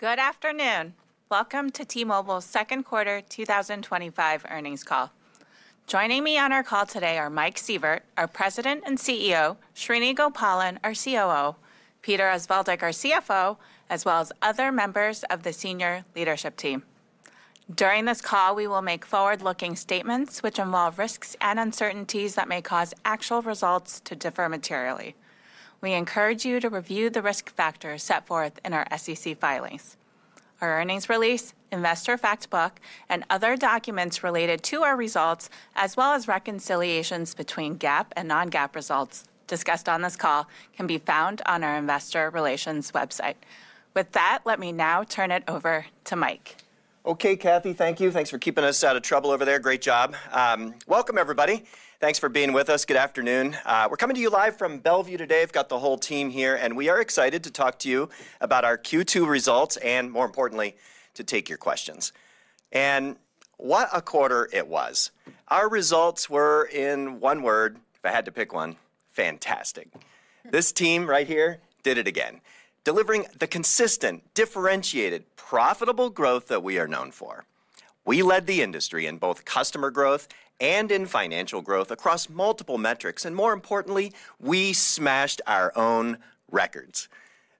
Good afternoon. Welcome to T-Mobile's second quarter 2025 earnings call. Joining me on our call today are Mike Sievert, our President and CEO, Srini Gopalan, our COO, Peter Osvaldik, our CFO, as well as other members of the senior leadership team. During this call, we will make forward-looking statements which involve risks and uncertainties that may cause actual results to differ materially. We encourage you to review the risk factors set forth in our SEC filings. Our earnings release, investor fact book, and other documents related to our results, as well as reconciliations between GAAP and non-GAAP results discussed on this call, can be found on our investor relations website. With that, let me now turn it over to Mike. Okay, Cathy, thank you. Thanks for keeping us out of trouble over there. Great job. Welcome, everybody. Thanks for being with us. Good afternoon. We are coming to you live from Bellevue today. I have got the whole team here, and we are excited to talk to you about our Q2 results and, more importantly, to take your questions. What a quarter it was. Our results were, in one word, if I had to pick one, fantastic. This team right here did it again, delivering the consistent, differentiated, profitable growth that we are known for. We led the industry in both customer growth and in financial growth across multiple metrics, and more importantly, we smashed our own records.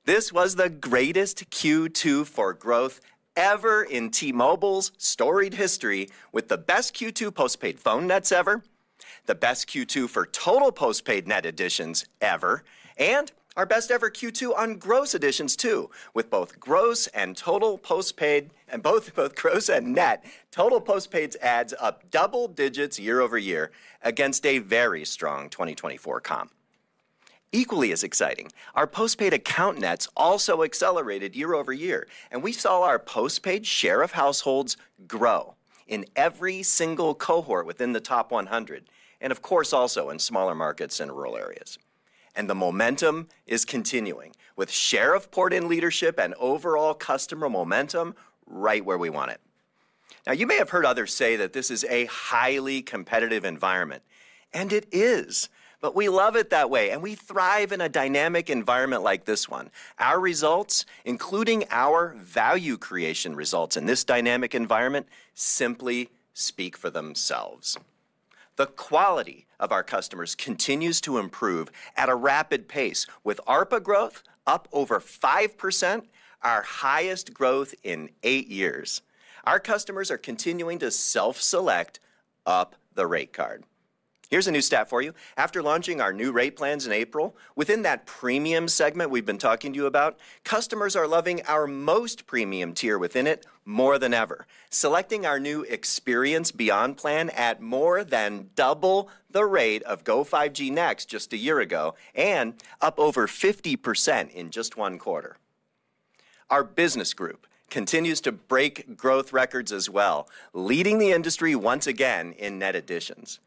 This was the greatest Q2 for growth ever in T-Mobile's storied history, with the best Q2 postpaid phone nets ever, the best Q2 for total postpaid net additions ever, and our best ever Q2 on gross additions too, with both gross and net total postpaid adds up double digits year over year against a very strong 2024 comp. Equally as exciting, our postpaid account nets also accelerated year over year, and we saw our postpaid share of households grow in every single cohort within the top 100, and of course, also in smaller markets and rural areas. The momentum is continuing, with share of port in leadership and overall customer momentum right where we want it. Now, you may have heard others say that this is a highly competitive environment, and it is, but we love it that way, and we thrive in a dynamic environment like this one. Our results, including our value creation results in this dynamic environment, simply speak for themselves. The quality of our customers continues to improve at a rapid pace, with ARPA growth up over 5%, our highest growth in eight years. Our customers are continuing to self-select up the rate card. Here's a new stat for you. After launching our new rate plans in April, within that premium segment we've been talking to you about, customers are loving our most premium tier within it more than ever, selecting our new Experience Beyond plan at more than double the rate of Go5G Next just a year ago and up over 50% in just one quarter. Our business group continues to break growth records as well, leading the industry once again in net additions.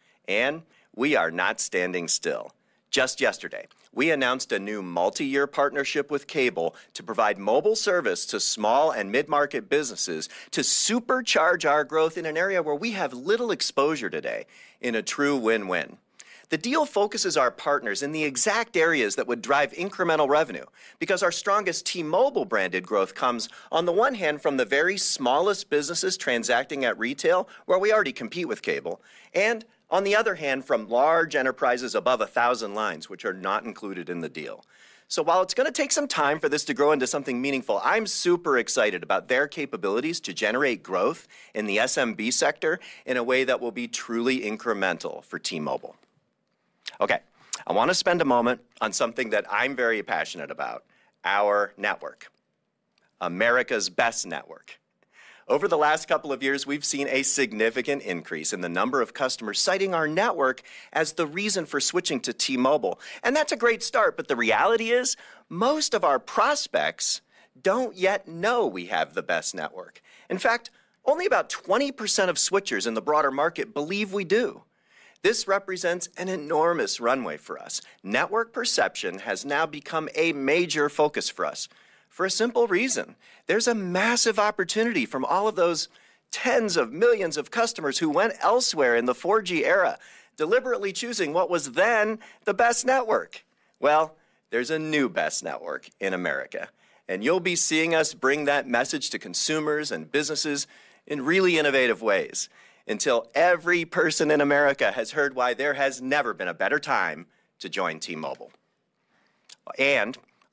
We are not standing still. Just yesterday, we announced a new multi-year partnership with cable to provide mobile service to small and mid-market businesses to supercharge our growth in an area where we have little exposure today in a true win-win. The deal focuses our partners in the exact areas that would drive incremental revenue because our strongest T-Mobile branded growth comes, on the one hand, from the very smallest businesses transacting at retail, where we already compete with cable, and on the other hand, from large enterprises above 1,000 lines, which are not included in the deal. While it's going to take some time for this to grow into something meaningful, I'm super excited about their capabilities to generate growth in the SMB sector in a way that will be truly incremental for T-Mobile. Okay, I want to spend a moment on something that I'm very passionate about: our network, America's best network. Over the last couple of years, we've seen a significant increase in the number of customers citing our network as the reason for switching to T-Mobile. That's a great start, but the reality is most of our prospects don't yet know we have the best network. In fact, only about 20% of switchers in the broader market believe we do. This represents an enormous runway for us. Network perception has now become a major focus for us for a simple reason. There's a massive opportunity from all of those tens of millions of customers who went elsewhere in the 4G era, deliberately choosing what was then the best network. There is a new best network in America, and you'll be seeing us bring that message to consumers and businesses in really innovative ways until every person in America has heard why there has never been a better time to join T-Mobile.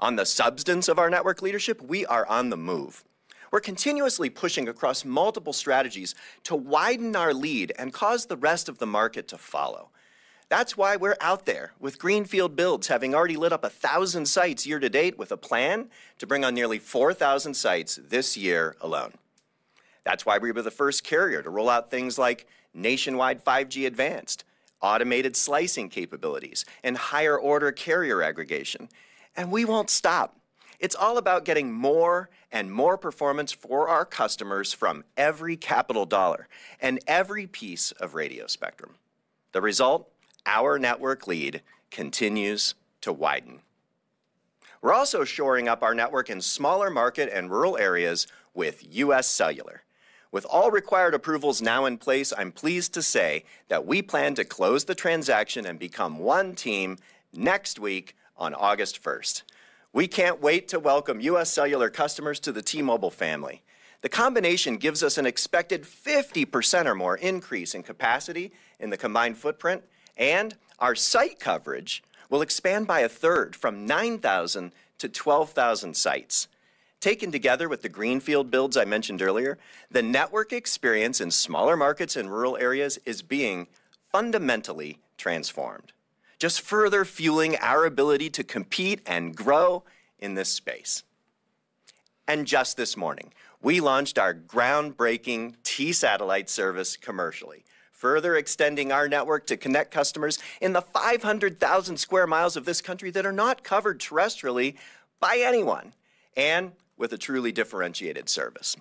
On the substance of our network leadership, we are on the move. We're continuously pushing across multiple strategies to widen our lead and cause the rest of the market to follow. That's why we're out there, with Greenfield Builds having already lit up 1,000 sites year to date with a plan to bring on nearly 4,000 sites this year alone. That's why we were the first carrier to roll out things like nationwide 5G Advanced, automated slicing capabilities, and higher order carrier aggregation. We won't stop. It's all about getting more and more performance for our customers from every capital dollar and every piece of radio spectrum. The result? Our network lead continues to widen. We're also shoring up our network in smaller market and rural areas with UScellular. With all required approvals now in place, I'm pleased to say that we plan to close the transaction and become one team next week on August 1. We can't wait to welcome UScellular customers to the T-Mobile family. The combination gives us an expected 50% or more increase in capacity in the combined footprint, and our site coverage will expand by a third from 9,000 sites-12,000 sites. Taken together with the Greenfield Builds I mentioned earlier, the network experience in smaller markets and rural areas is being fundamentally transformed, just further fueling our ability to compete and grow in this space. Just this morning, we launched our groundbreaking T-Satellite service commercially, further extending our network to connect customers in the 500,000 sq mi of this country that are not covered terrestrially by anyone and with a truly differentiated service.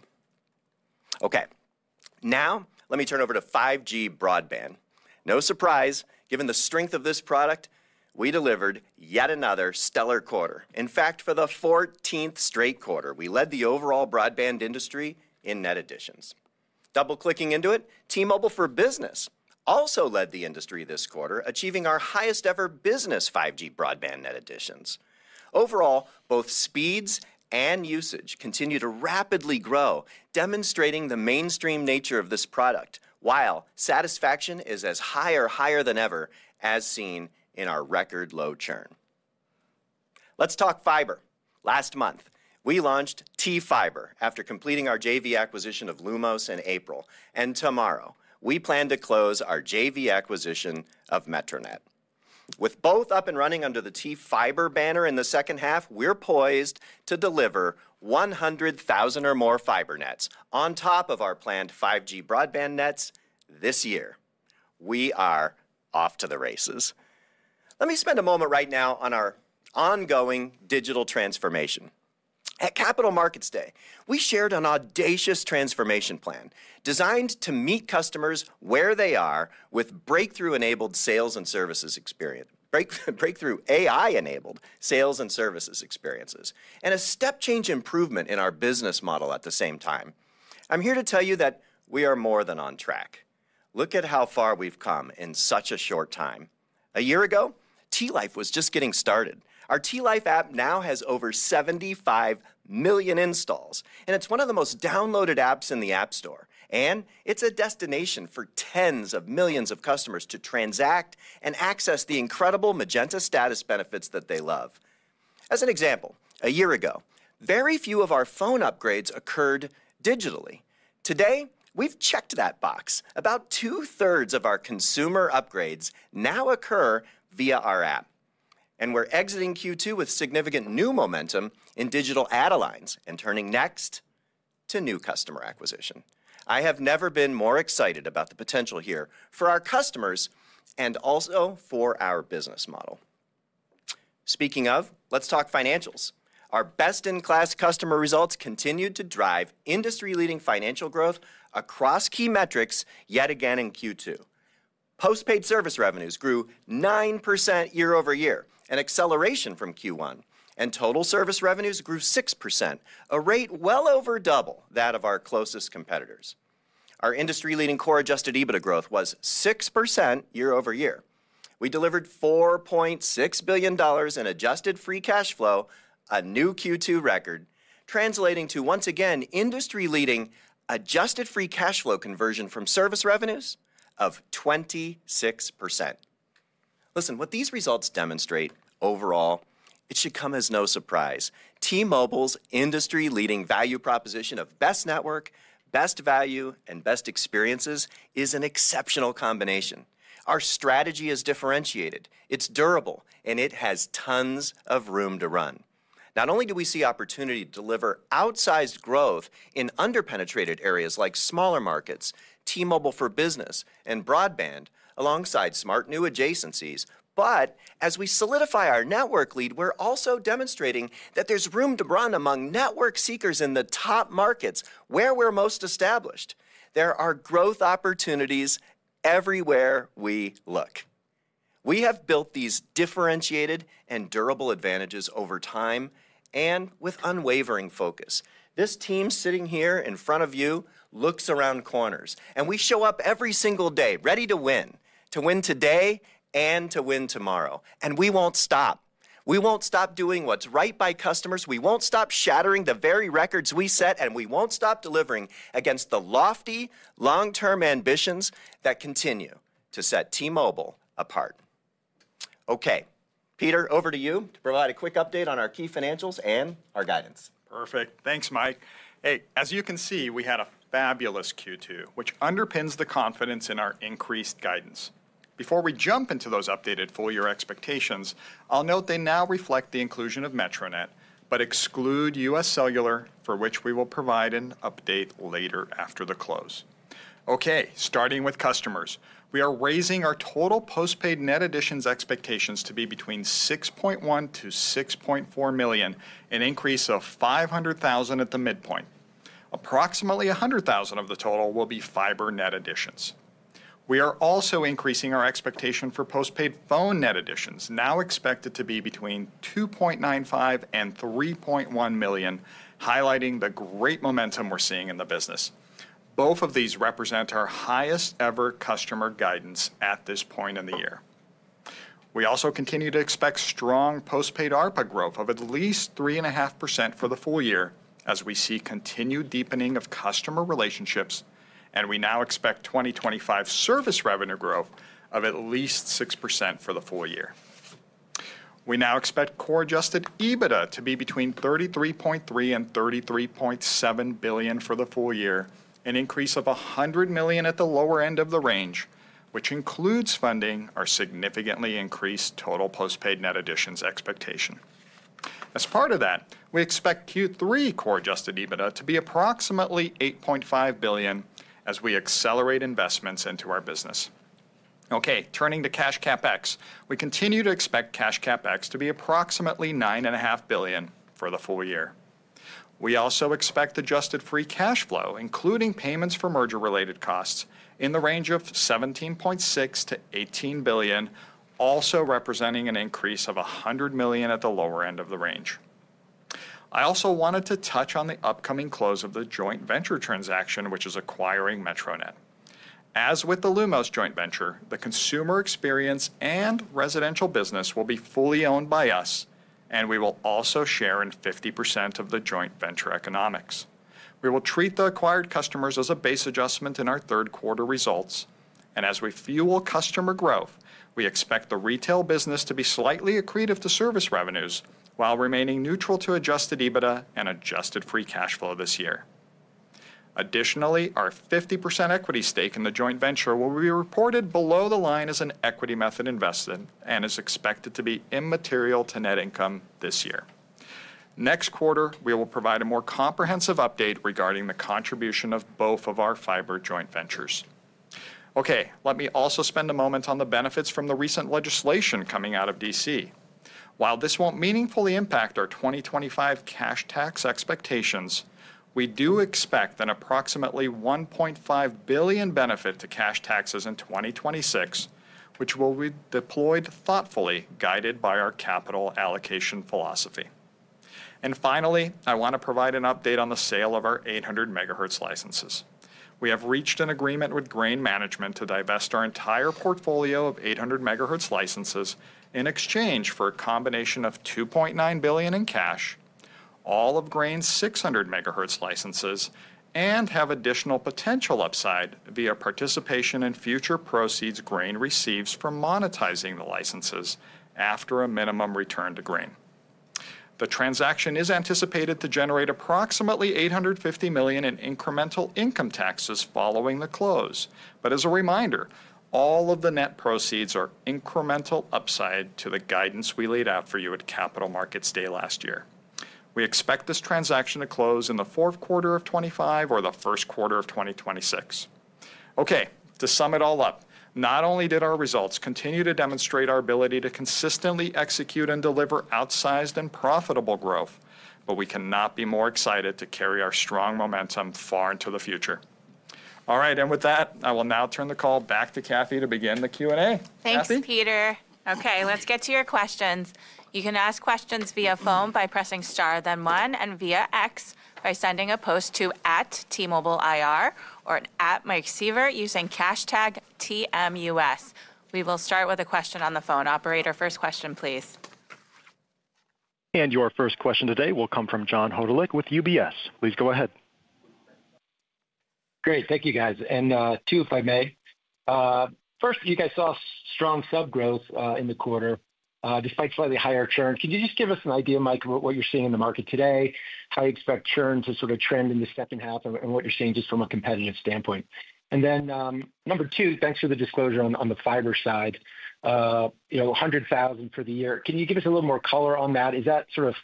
Okay, now let me turn over to 5G Broadband. No surprise, given the strength of this product, we delivered yet another stellar quarter. In fact, for the 14th straight quarter, we led the overall broadband industry in net additions. Double-clicking into it, T-Mobile for Business also led the industry this quarter, achieving our highest ever business 5G Broadband net additions. Overall, both speeds and usage continue to rapidly grow, demonstrating the mainstream nature of this product, while satisfaction is as high or higher than ever, as seen in our record low churn. Let's talk fiber. Last month, we launched T-Fiber after completing our JV acquisition of Lumos in April, and tomorrow we plan to close our JV acquisition of Metronet. With both up and running under the T-Fiber banner in the second half, we're poised to deliver 100,000 or more fiber nets on top of our planned 5G broadband nets this year. We are off to the races. Let me spend a moment right now on our ongoing digital transformation. At Capital Markets Day, we shared an audacious transformation plan designed to meet customers where they are with breakthrough-enabled sales and services experience, breakthrough AI-enabled sales and services experiences, and a step-change improvement in our business model at the same time. I'm here to tell you that we are more than on track. Look at how far we've come in such a short time. A year ago, T-Life was just getting started. Our T-Life app now has over 75 million installs, and it's one of the most downloaded apps in the App Store. It's a destination for tens of millions of customers to transact and access the incredible Magenta status benefits that they love. As an example, a year ago, very few of our phone upgrades occurred digitally. Today, we've checked that box. About two-thirds of our consumer upgrades now occur via our app. We're exiting Q2 with significant new momentum in digital add-lines and turning next to new customer acquisition. I have never been more excited about the potential here for our customers and also for our business model. Speaking of, let's talk financials. Our best-in-class customer results continued to drive industry-leading financial growth across key metrics yet again in Q2. Postpaid service revenues grew 9% year over year, an acceleration from Q1, and total service revenues grew 6%, a rate well over double that of our closest competitors. Our industry-leading core adjusted EBITDA growth was 6% year over year. We delivered $4.6 billion in adjusted free cash flow, a new Q2 record, translating to, once again, industry-leading adjusted free cash flow conversion from service revenues of 26%. Listen, what these results demonstrate overall, it should come as no surprise. T-Mobile's industry-leading value proposition of best network, best value, and best experiences is an exceptional combination. Our strategy is differentiated. It is durable, and it has tons of room to run. Not only do we see opportunity to deliver outsized growth in underpenetrated areas like smaller markets, T-Mobile for business, and broadband alongside smart new adjacencies, but as we solidify our network lead, we are also demonstrating that there is room to run among network seekers in the top markets where we are most established. There are growth opportunities everywhere we look. We have built these differentiated and durable advantages over time and with unwavering focus. This team sitting here in front of you looks around corners, and we show up every single day ready to win, to win today and to win tomorrow. We will not stop. We will not stop doing what is right by customers. We won't stop shattering the very records we set, and we won't stop delivering against the lofty, long-term ambitions that continue to set T-Mobile apart. Okay, Peter, over to you to provide a quick update on our key financials and our guidance. Perfect. Thanks, Mike. Hey, as you can see, we had a fabulous Q2, which underpins the confidence in our increased guidance. Before we jump into those updated full-year expectations, I'll note they now reflect the inclusion of Metronet, but exclude UScellular, for which we will provide an update later after the close. Okay, starting with customers, we are raising our total postpaid net additions expectations to be between 6.1 milion-6.4 million, an increase of 500,000 at the midpoint. Approximately 100,000 of the total will be fiber net additions. We are also increasing our expectation for postpaid phone net additions, now expected to be between 2.95 million and 3.1 million, highlighting the great momentum we're seeing in the business. Both of these represent our highest ever customer guidance at this point in the year. We also continue to expect strong postpaid ARPA growth of at least 3.5% for the full year as we see continued deepening of customer relationships, and we now expect 2025 service revenue growth of at least 6% for the full year. We now expect core adjusted EBITDA to be between $33.3 billion-$33.7 billion for the full year, an increase of $100 million at the lower end of the range, which includes funding our significantly increased total postpaid net additions expectation. As part of that, we expect Q3 core adjusted EBITDA to be approximately $8.5 billion as we accelerate investments into our business. Okay, turning to cash CapEx, we continue to expect cash CapEx to be approximately $9.5 billion for the full year. We also expect adjusted free cash flow, including payments for merger-related costs, in the range of $17.6 billion-$18 billion, also representing an increase of $100 million at the lower end of the range. I also wanted to touch on the upcoming close of the joint venture transaction, which is acquiring Metronet. As with the Lumos joint venture, the consumer experience and residential business will be fully owned by us, and we will also share in 50% of the joint venture economics. We will treat the acquired customers as a base adjustment in our third quarter results, and as we fuel customer growth, we expect the retail business to be slightly accretive to service revenues while remaining neutral to adjusted EBITDA and adjusted free cash flow this year. Additionally, our 50% equity stake in the joint venture will be reported below the line as an equity method investment and is expected to be immaterial to net income this year. Next quarter, we will provide a more comprehensive update regarding the contribution of both of our fiber joint ventures. Okay, let me also spend a moment on the benefits from the recent legislation coming out of D.C. While this won't meaningfully impact our 2025 cash tax expectations, we do expect an approximately $1.5 billion benefit to cash taxes in 2026, which will be deployed thoughtfully guided by our capital allocation philosophy. Finally, I want to provide an update on the sale of our 800 MHz licenses. We have reached an agreement with Grain Management to divest our entire portfolio of 800 MHz licenses in exchange for a combination of $2.9 billion in cash, all of Grain's 600 MHz licenses, and have additional potential upside via participation in future proceeds Grain receives from monetizing the licenses after a minimum return to Grain. The transaction is anticipated to generate approximately $850 million in incremental income taxes following the close. As a reminder, all of the net proceeds are incremental upside to the guidance we laid out for you at Capital Markets Day last year. We expect this transaction to close in the fourth quarter of 2025 or the first quarter of 2026. Okay, to sum it all up, not only did our results continue to demonstrate our ability to consistently execute and deliver outsized and profitable growth, but we cannot be more excited to carry our strong momentum far into the future. All right, and with that, I will now turn the call back to Cathy to begin the Q&A. Thanks, Peter. Okay, let's get to your questions. You can ask questions via phone by pressing Star, then One, and via X by sending a post to @T-MobileIR or an @MikeSievert using hashtag T-M-U-S. We will start with a question on the phone. Operator, first question, please. Your first question today will come from John Hodulik with UBS. Please go ahead. Great, thank you, guys. And two, if I may, first, you guys saw strong subgrowth in the quarter despite slightly higher churn. Can you just give us an idea, Mike, of what you're seeing in the market today, how you expect churn to sort of trend in the second half, and what you're seeing just from a competitive standpoint? Number two, thanks for the disclosure on the fiber side, 100,000 for the year. Can you give us a little more color on that? Is that sort of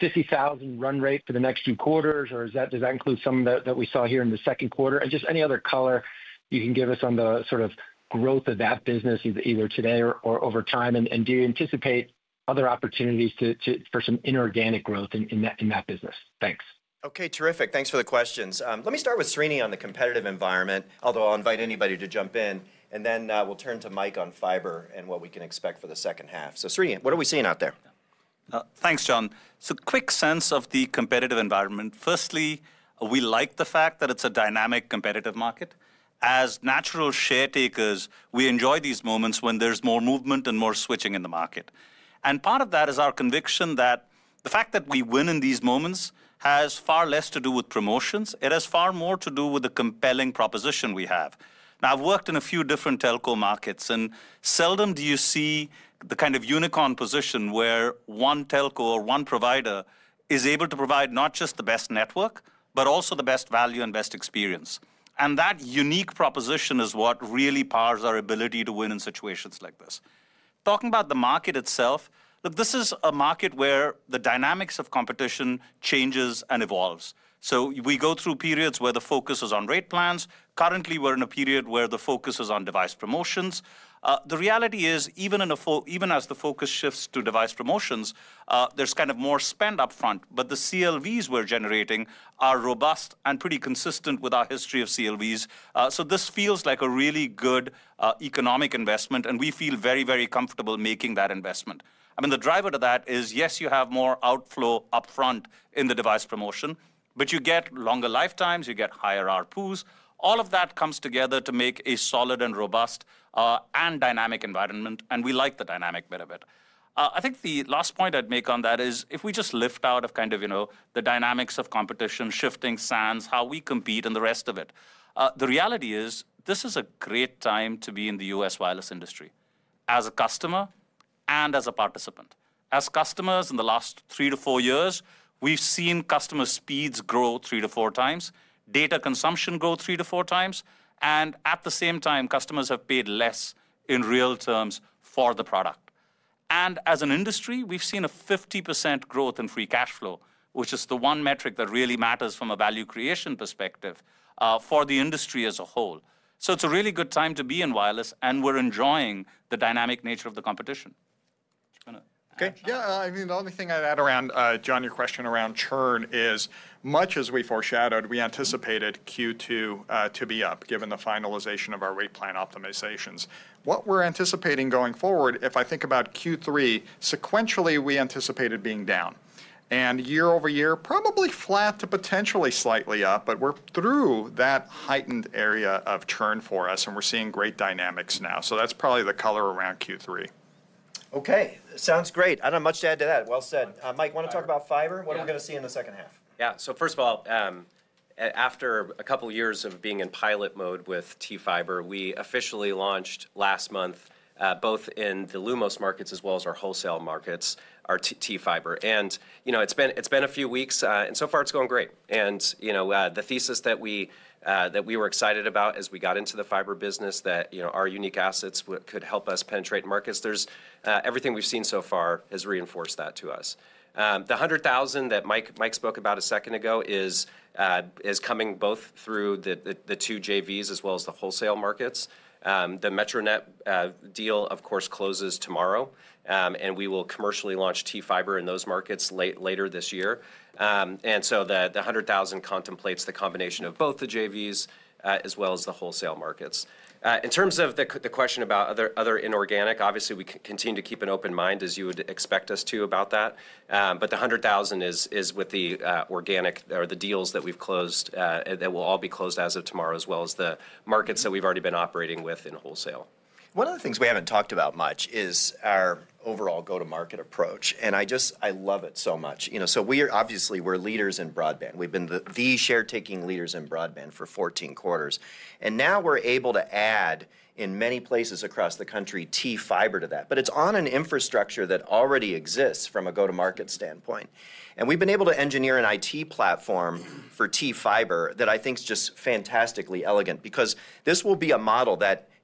50,000 run rate for the next few quarters, or does that include some that we saw here in the second quarter? Any other color you can give us on the sort of growth of that business either today or over time, and do you anticipate other opportunities for some inorganic growth in that business? Thanks. Okay, terrific. Thanks for the questions. Let me start with Srini on the competitive environment, although I'll invite anybody to jump in, and then we'll turn to Mike on fiber and what we can expect for the second half. Srini, what are we seeing out there? Thanks, John. Quick sense of the competitive environment. Firstly, we like the fact that it's a dynamic competitive market. As natural share takers, we enjoy these moments when there's more movement and more switching in the market. Part of that is our conviction that the fact that we win in these moments has far less to do with promotions. It has far more to do with the compelling proposition we have. Now, I've worked in a few different telco markets, and seldom do you see the kind of unicorn position where one telco or one provider is able to provide not just the best network, but also the best value and best experience. That unique proposition is what really powers our ability to win in situations like this. Talking about the market itself, this is a market where the dynamics of competition changes and evolves. We go through periods where the focus is on rate plans. Currently, we're in a period where the focus is on device promotions. The reality is, even as the focus shifts to device promotions, there's kind of more spend upfront, but the CLVs we're generating are robust and pretty consistent with our history of CLVs. This feels like a really good economic investment, and we feel very, very comfortable making that investment. I mean, the driver to that is, yes, you have more outflow upfront in the device promotion, but you get longer lifetimes, you get higher RPUs. All of that comes together to make a solid and robust and dynamic environment, and we like the dynamic bit of it. I think the last point I'd make on that is, if we just lift out of kind of the dynamics of competition, shifting sands, how we compete and the rest of it, the reality is this is a great time to be in the U.S. wireless industry as a customer and as a participant. As customers in the last three years-four years, we've seen customer speeds grow three times-four times, data consumption grow three times-four times, and at the same time, customers have paid less in real terms for the product. As an industry, we've seen a 50% growth in free cash flow, which is the one metric that really matters from a value creation perspective for the industry as a whole. It is a really good time to be in wireless, and we're enjoying the dynamic nature of the competition. Okay. Yeah, I mean, the only thing I'd add around, John, your question around churn is, much as we foreshadowed, we anticipated Q2 to be up given the finalization of our rate plan optimizations. What we're anticipating going forward, if I think about Q3, sequentially we anticipated being down, and year over year, probably flat to potentially slightly up, but we're through that heightened area of churn for us, and we're seeing great dynamics now. That is probably the color around Q3. Okay, sounds great. I do not have much to add to that. Well said. Mike, you want to talk about fiber? What are we going to see in the second half? Yeah, first of all, after a couple of years of being in pilot mode with T-Fiber, we officially launched last month, both in the Lumos markets as well as our wholesale markets, our T-Fiber. It has been a few weeks, and so far it is going great. The thesis that we were excited about as we got into the fiber business, that our unique assets could help us penetrate markets, everything we have seen so far has reinforced that to us. The 100,000 that Mike spoke about a second ago is coming both through the two JVs as well as the wholesale markets. The Metronet deal, of course, closes tomorrow, and we will commercially launch T-Fiber in those markets later this year. The 100,000 contemplates the combination of both the JVs as well as the wholesale markets. In terms of the question about other inorganic, obviously we continue to keep an open mind, as you would expect us to about that, but the 100,000 is with the organic or the deals that we've closed that will all be closed as of tomorrow, as well as the markets that we've already been operating with in wholesale. One of the things we haven't talked about much is our overall go-to-market approach, and I love it so much. Obviously, we're leaders in broadband. We've been the share-taking leaders in broadband for 14 quarters. Now we're able to add, in many places across the country, T-Fiber to that, but it's on an infrastructure that already exists from a go-to-market standpoint. We have been able to engineer an IT platform for T-Fiber that I think is just fantastically elegant because this will be a model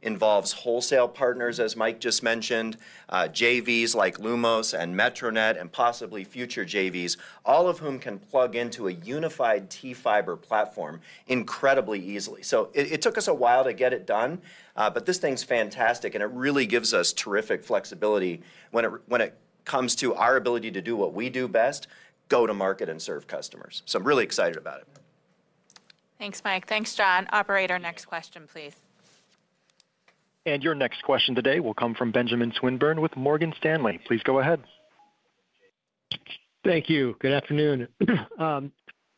that involves wholesale partners, as Mike just mentioned, JVs like Lumos and Metronet and possibly future JVs, all of whom can plug into a unified T-Fiber platform incredibly easily. It took us a while to get it done, but this thing is fantastic, and it really gives us terrific flexibility when it comes to our ability to do what we do best, go-to-market and serve customers. I am really excited about it. Thanks, Mike. Thanks, John. Operator, next question, please. Your next question today will come from Benjamin Swinburne with Morgan Stanley. Please go ahead. Thank you. Good afternoon.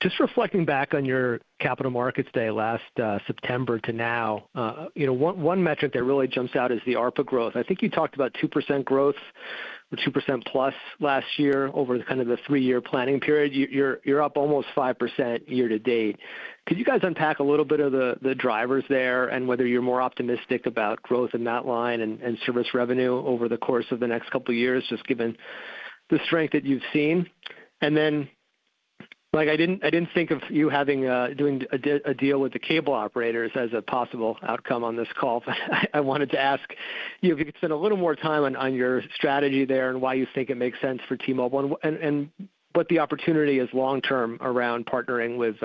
Just reflecting back on your Capital Markets Day last September to now, one metric that really jumps out is the ARPA growth. I think you talked about 2% growth or 2% plus last year over kind of the three-year planning period. You're up almost 5% year to date. Could you guys unpack a little bit of the drivers there and whether you're more optimistic about growth in that line and service revenue over the course of the next couple of years, just given the strength that you've seen? Mike, I didn't think of you doing a deal with the cable operators as a possible outcome on this call, but I wanted to ask you if you could spend a little more time on your strategy there and why you think it makes sense for T-Mobile and what the opportunity is long-term around partnering with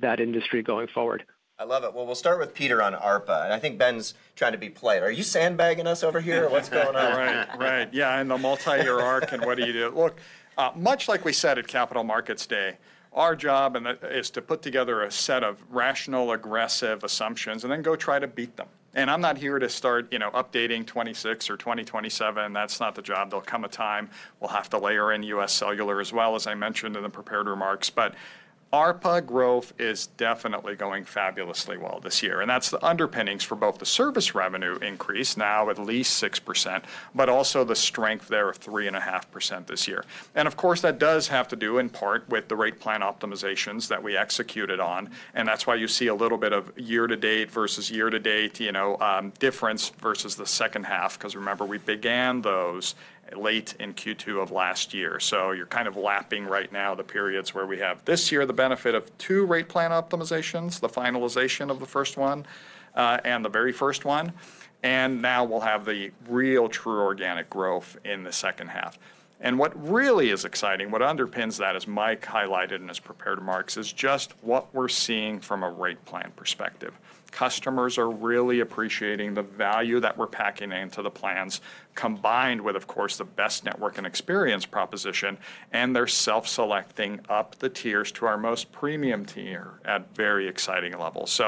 that industry going forward. I love it. We'll start with Peter on ARPA, and I think Ben's trying to be played. Are you sandbagging us over here? What's going on? Right, right. Yeah, and the multi-year arc and what do you do? Look, much like we said at Capital Markets Day, our job is to put together a set of rational, aggressive assumptions and then go try to beat them. I'm not here to start updating 2026 or 2027. That's not the job. There'll come a time we'll have to layer in UScellular as well, as I mentioned in the prepared remarks. But ARPA growth is definitely going fabulously well this year, and that's the underpinnings for both the service revenue increase now at least 6%, but also the strength there of 3.5% this year. Of course, that does have to do in part with the rate plan optimizations that we executed on, and that is why you see a little bit of year-to-date versus year-to-date difference versus the second half because remember, we began those late in Q2 of last year. You are kind of lapping right now the periods where we have this year the benefit of two rate plan optimizations, the finalization of the first one and the very first one, and now we will have the real true organic growth in the second half. What really is exciting, what underpins that, as Mike highlighted in his prepared remarks, is just what we are seeing from a rate plan perspective. Customers are really appreciating the value that we're packing into the plans combined with, of course, the best network and experience proposition, and they're self-selecting up the tiers to our most premium tier at very exciting levels.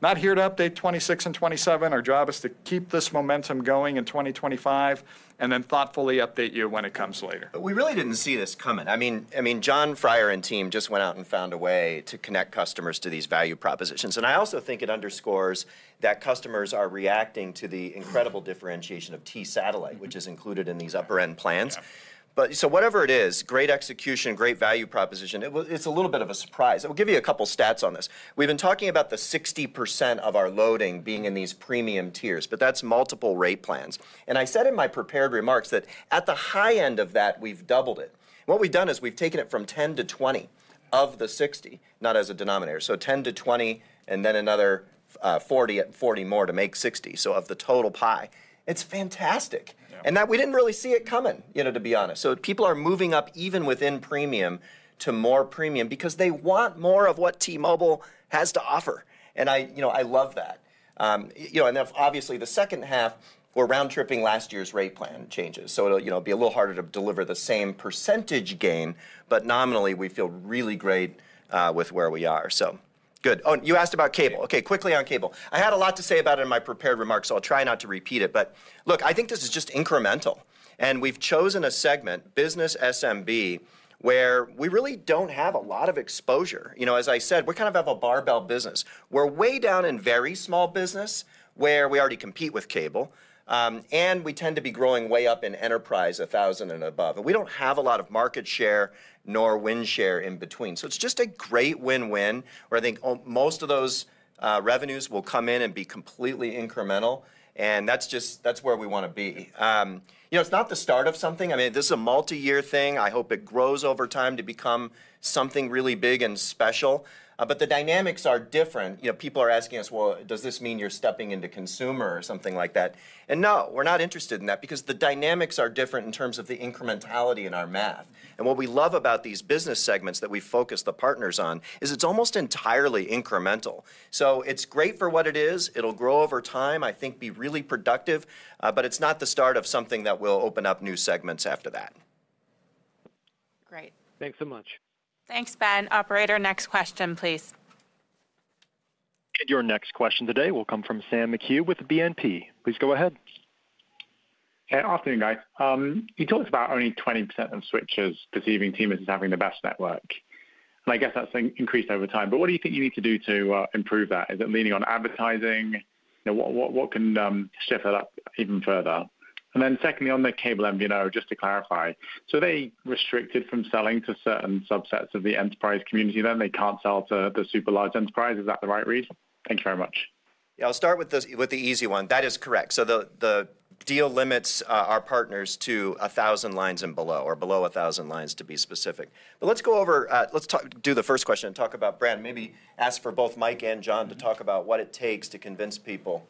Not here to update 2026 and 2027. Our job is to keep this momentum going in 2025 and then thoughtfully update you when it comes later. We really did not see this coming. I mean, Jon Freier and team just went out and found a way to connect customers to these value propositions. I also think it underscores that customers are reacting to the incredible differentiation of T-Satellite, which is included in these upper-end plans. Whatever it is, great execution, great value proposition, it is a little bit of a surprise. I'll give you a couple of stats on this. We've been talking about the 60% of our loading being in these premium tiers, but that's multiple rate plans. I said in my prepared remarks that at the high end of that, we've doubled it. What we've done is we've taken it from 10-20 of the 60, not as a denominator, so 10-20 and then another 40 and 40 more to make 60, so of the total pie. It's fantastic. We didn't really see it coming, to be honest. People are moving up even within premium to more premium because they want more of what T-Mobile has to offer, and I love that. Obviously, the second half, we're round-tripping last year's rate plan changes, so it'll be a little harder to deliver the same percentage gain, but nominally, we feel really great with where we are. Good. Oh, you asked about cable. Okay, quickly on cable. I had a lot to say about it in my prepared remarks, so I'll try not to repeat it. Look, I think this is just incremental, and we've chosen a segment, business SMB, where we really do not have a lot of exposure. As I said, we kind of have a barbell business. We're way down in very small business where we already compete with cable, and we tend to be growing way up in enterprise 1,000 and above. We do not have a lot of market share nor wind share in between. It is just a great win-win where I think most of those revenues will come in and be completely incremental, and that is where we want to be. It is not the start of something. I mean, this is a multi-year thing. I hope it grows over time to become something really big and special, but the dynamics are different. People are asking us, "Does this mean you're stepping into consumer or something like that?" No, we're not interested in that because the dynamics are different in terms of the incrementality in our math. What we love about these business segments that we focus the partners on is it's almost entirely incremental. It's great for what it is. It'll grow over time, I think, be really productive, but it's not the start of something that will open up new segments after that. Great. Thanks so much. Thanks, Ben. Operator, next question, please. Your next question today will come from Sam McHugh with BNP. Please go ahead. Hey, afternoon, guys. You told us about only 20% of switches this evening team is having the best network. I guess that's increased over time, but what do you think you need to do to improve that? Is it leaning on advertising? What can shift that up even further? Secondly, on the cable MVNO, just to clarify, so they are restricted from selling to certain subsets of the enterprise community then. They can't sell to the super large enterprise. Is that the right read? Thank you very much. Yeah, I'll start with the easy one. That is correct. The deal limits our partners to 1,000 lines and below or below 1,000 lines, to be specific. Let's go over, let's do the first question and talk about Brand. Maybe ask for both Mike and John to talk about what it takes to convince people.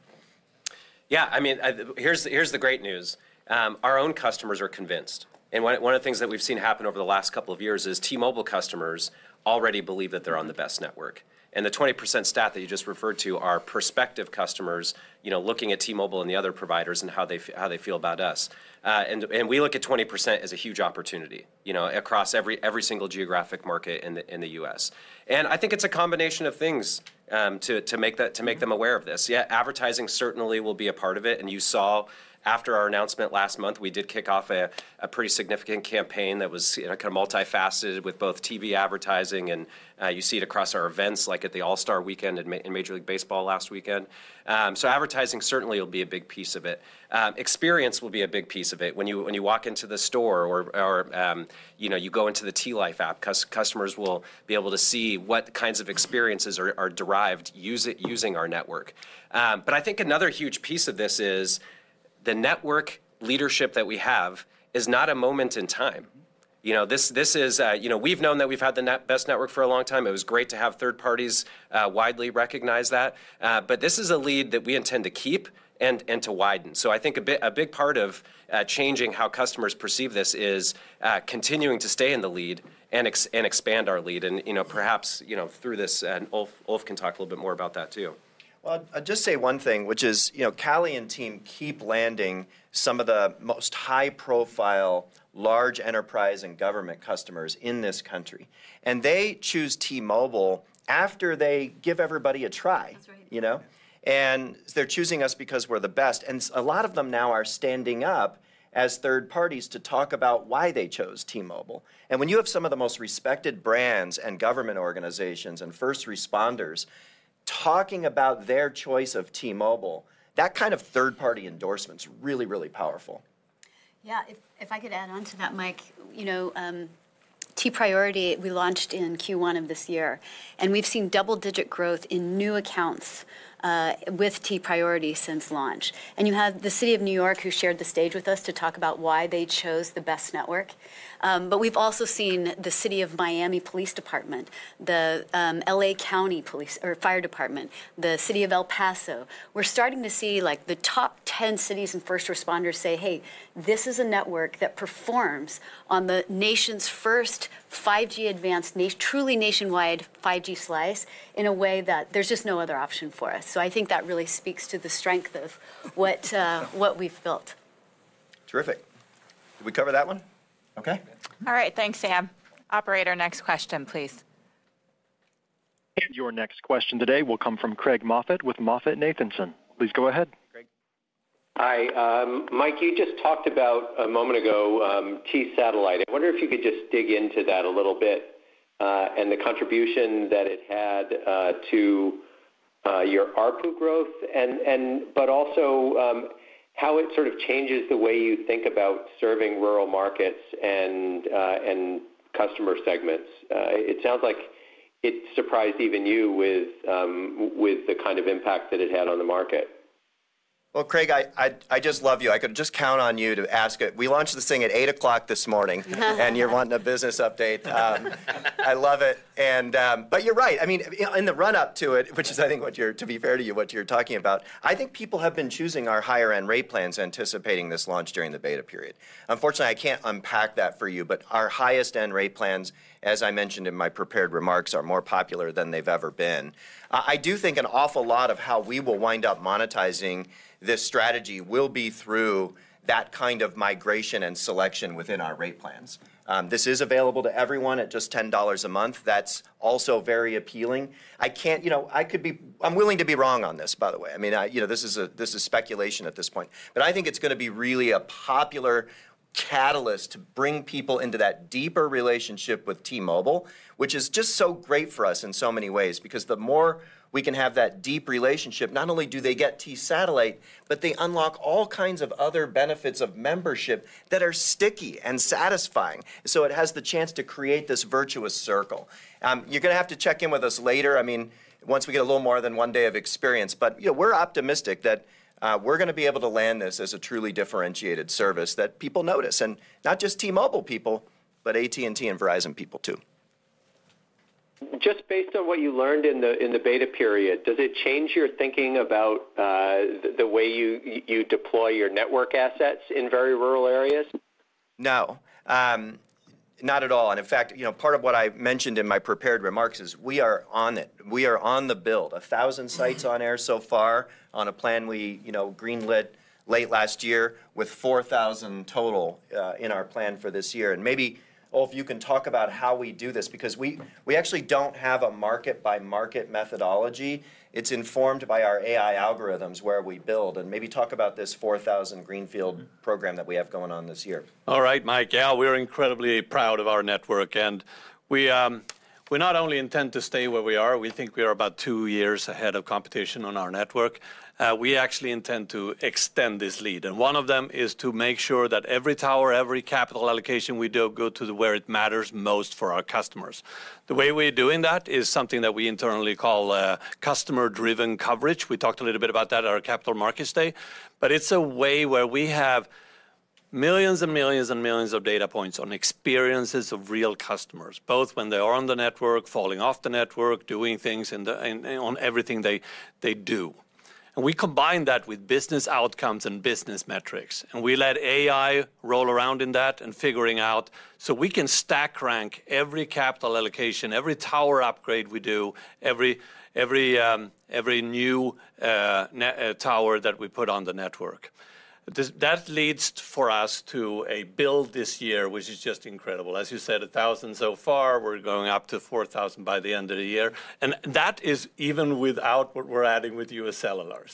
Yeah, I mean, here's the great news. Our own customers are convinced. One of the things that we've seen happen over the last couple of years is T-Mobile customers already believe that they're on the best network. The 20% stat that you just referred to are prospective customers looking at T-Mobile and the other providers and how they feel about us. We look at 20% as a huge opportunity across every single geographic market in the U.S. I think it's a combination of things to make them aware of this. Yeah, advertising certainly will be a part of it. You saw after our announcement last month, we did kick off a pretty significant campaign that was kind of multifaceted with both TV advertising, and you see it across our events like at the All-Star weekend and Major League Baseball last weekend. Advertising certainly will be a big piece of it. Experience will be a big piece of it. When you walk into the store or you go into the T-Life app, customers will be able to see what kinds of experiences are derived using our network. I think another huge piece of this is the network leadership that we have is not a moment in time. We've known that we've had the best network for a long time. It was great to have third parties widely recognize that. This is a lead that we intend to keep and to widen. I think a big part of changing how customers perceive this is continuing to stay in the lead and expand our lead. Perhaps through this, Ulf can talk a little bit more about that too. I’ll just say one thing, which is Callie and team keep landing some of the most high-profile large enterprise and government customers in this country. They choose T-Mobile after they give everybody a try. They’re choosing us because we’re the best. A lot of them now are standing up as third parties to talk about why they chose T-Mobile. When you have some of the most respected brands and government organizations and first responders talking about their choice of T-Mobile, that kind of third-party endorsement is really, really powerful. Yeah, if I could add on to that, Mike, T-Priority, we launched in Q1 of this year, and we’ve seen double-digit growth in new accounts with T-Priority since launch. You have the City of New York who shared the stage with us to talk about why they chose the best network. But we've also seen the City of Miami Police Department, the LA County Fire Department, the City of El Paso. We're starting to see the top 10 cities and first responders say, "Hey, this is a network that performs on the nation's first 5G Advanced, truly nationwide 5G slice in a way that there's just no other option for us." I think that really speaks to the strength of what we've built. Terrific. Did we cover that one? Okay. All right. Thanks, Sam. Operator, next question, please. Your next question today will come from Craig Moffett with MoffettNathanson. Please go ahead. Hi, Mike. You just talked about a moment ago T-Satellite. I wonder if you could just dig into that a little bit and the contribution that it had to your ARPA growth, but also how it sort of changes the way you think about serving rural markets and customer segments. It sounds like it surprised even you with the kind of impact that it had on the market. Craig, I just love you. I could just count on you to ask it. We launched this thing at 8:00 A.M. this morning, and you're wanting a business update. I love it. You're right. I mean, in the run-up to it, which is, I think, to be fair to you, what you're talking about, I think people have been choosing our higher-end rate plans anticipating this launch during the beta period. Unfortunately, I can't unpack that for you, but our highest-end rate plans, as I mentioned in my prepared remarks, are more popular than they've ever been. I do think an awful lot of how we will wind up monetizing this strategy will be through that kind of migration and selection within our rate plans. This is available to everyone at just $10 a month. That's also very appealing. I could be, I'm willing to be wrong on this, by the way. I mean, this is speculation at this point, but I think it's going to be really a popular catalyst to bring people into that deeper relationship with T-Mobile, which is just so great for us in so many ways because the more we can have that deep relationship, not only do they get T-Satellite, but they unlock all kinds of other benefits of membership that are sticky and satisfying. It has the chance to create this virtuous circle. You're going to have to check in with us later, I mean, once we get a little more than one day of experience. We're optimistic that we're going to be able to land this as a truly differentiated service that people notice, and not just T-Mobile people, but AT&T and Verizon people too. Just based on what you learned in the beta period, does it change your thinking about the way you deploy your network assets in very rural areas? No, not at all. In fact, part of what I mentioned in my prepared remarks is we are on it. We are on the build. 1,000 sites on air so far on a plan we greenlit late last year with 4,000 total in our plan for this year. Maybe, Ulf, you can talk about how we do this because we actually do not have a market-by-market methodology. It is informed by our AI algorithms where we build. Maybe talk about this 4,000 Greenfield program that we have going on this year. All right, Mike. Yeah, we are incredibly proud of our network, and we not only intend to stay where we are. We think we are about two years ahead of competition on our network. We actually intend to extend this lead. One of them is to make sure that every tower, every capital allocation we do goes to where it matters most for our customers. The way we are doing that is something that we internally call customer-driven coverage. We talked a little bit about that at our Capital Markets Day. It is a way where we have millions and millions and millions of data points on experiences of real customers, both when they are on the network, falling off the network, doing things on everything they do. We combine that with business outcomes and business metrics. We let AI roll around in that and figure out so we can stack rank every capital allocation, every tower upgrade we do, every new tower that we put on the network. That leads for us to a build this year, which is just incredible. As you said, 1,000 so far. We are going up to 4,000 by the end of the year. That is even without what we are adding with UScellular.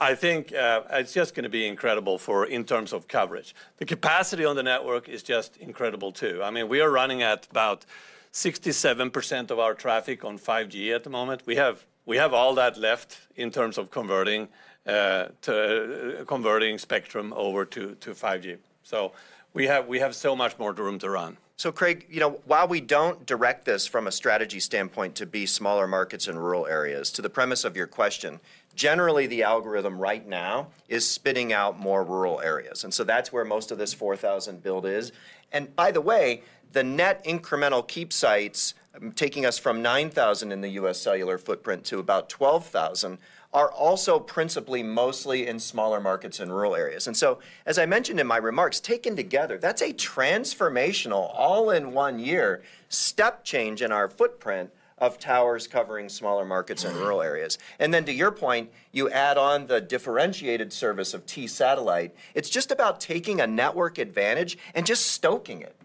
I think it is just going to be incredible in terms of coverage. The capacity on the network is just incredible too. I mean, we are running at about 67% of our traffic on 5G at the moment. We have all that left in terms of converting spectrum over to 5G. We have so much more room to run. Craig, while we do not direct this from a strategy standpoint to be smaller markets in rural areas, to the premise of your question, generally, the algorithm right now is spitting out more rural areas. That is where most of this 4,000 build is. By the way, the net incremental keep sites taking us from 9,000 in the UScellular footprint to about 12,000 are also principally mostly in smaller markets in rural areas. As I mentioned in my remarks, taken together, that is a transformational all-in-one year step change in our footprint of towers covering smaller markets in rural areas. And then, to your point, you add on the differentiated service of T-Satellite. It's just about taking a network advantage and just stoking it.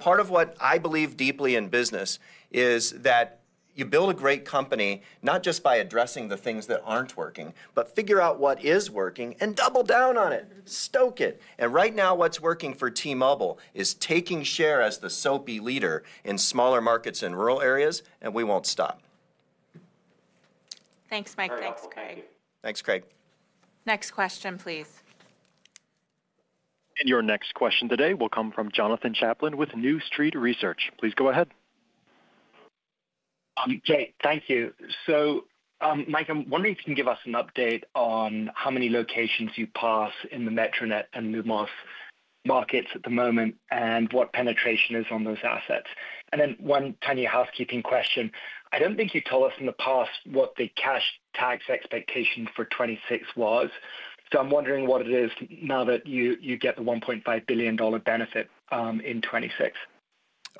Part of what I believe deeply in business is that you build a great company not just by addressing the things that aren't working, but figure out what is working and double down on it, stoke it. Right now, what's working for T-Mobile is taking share as the SOPI leader in smaller markets in rural areas, and we won't stop. Thanks, Mike. Thanks, Craig. Next question, please. Your next question today will come from Jonathan Chaplin with New Street Research. Please go ahead. Okay, thank you. Mike, I'm wondering if you can give us an update on how many locations you pass in the Metronet and Lumos markets at the moment and what penetration is on those assets. And then one tiny housekeeping question. I do not think you told us in the past what the cash tax expectation for 2026 was. I am wondering what it is now that you get the $1.5 billion benefit in 2026.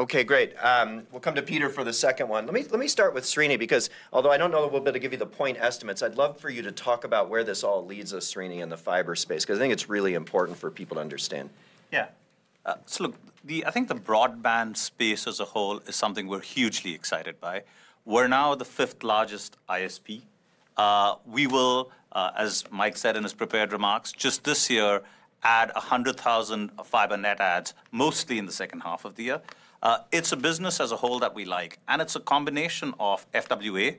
Okay, great. We will come to Peter for the second one. Let me start with Srini because although I do not know that we will be able to give you the point estimates, I would love for you to talk about where this all leads us, Srini, in the fiber space because I think it is really important for people to understand. Yeah. I think the broadband space as a whole is something we are hugely excited by. We are now the fifth largest ISP. We will, as Mike said in his prepared remarks, just this year add 100,000 fiber net adds, mostly in the second half of the year. It's a business as a whole that we like, and it's a combination of FWA,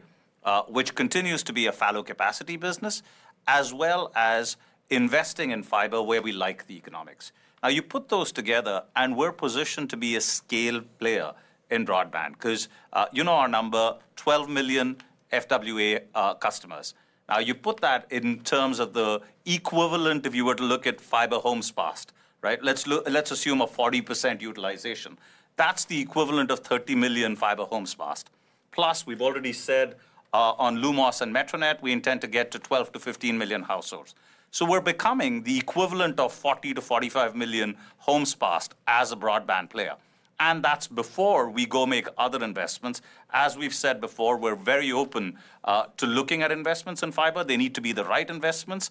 which continues to be a fallow capacity business, as well as investing in fiber where we like the economics. Now, you put those together, and we're positioned to be a scale player in broadband because you know our number, 12 million FWA customers. Now, you put that in terms of the equivalent, if you were to look at fiber homes passed, right? Let's assume a 40% utilization. That's the equivalent of 30 million fiber homes passed. Plus, we've already said on Lumos and Metronet, we intend to get to 12 milllion-15 million households. We are becoming the equivalent of 40 million-45 million homes passed as a broadband player. That's before we go make other investments. As we've said before, we're very open to looking at investments in fiber. They need to be the right investments.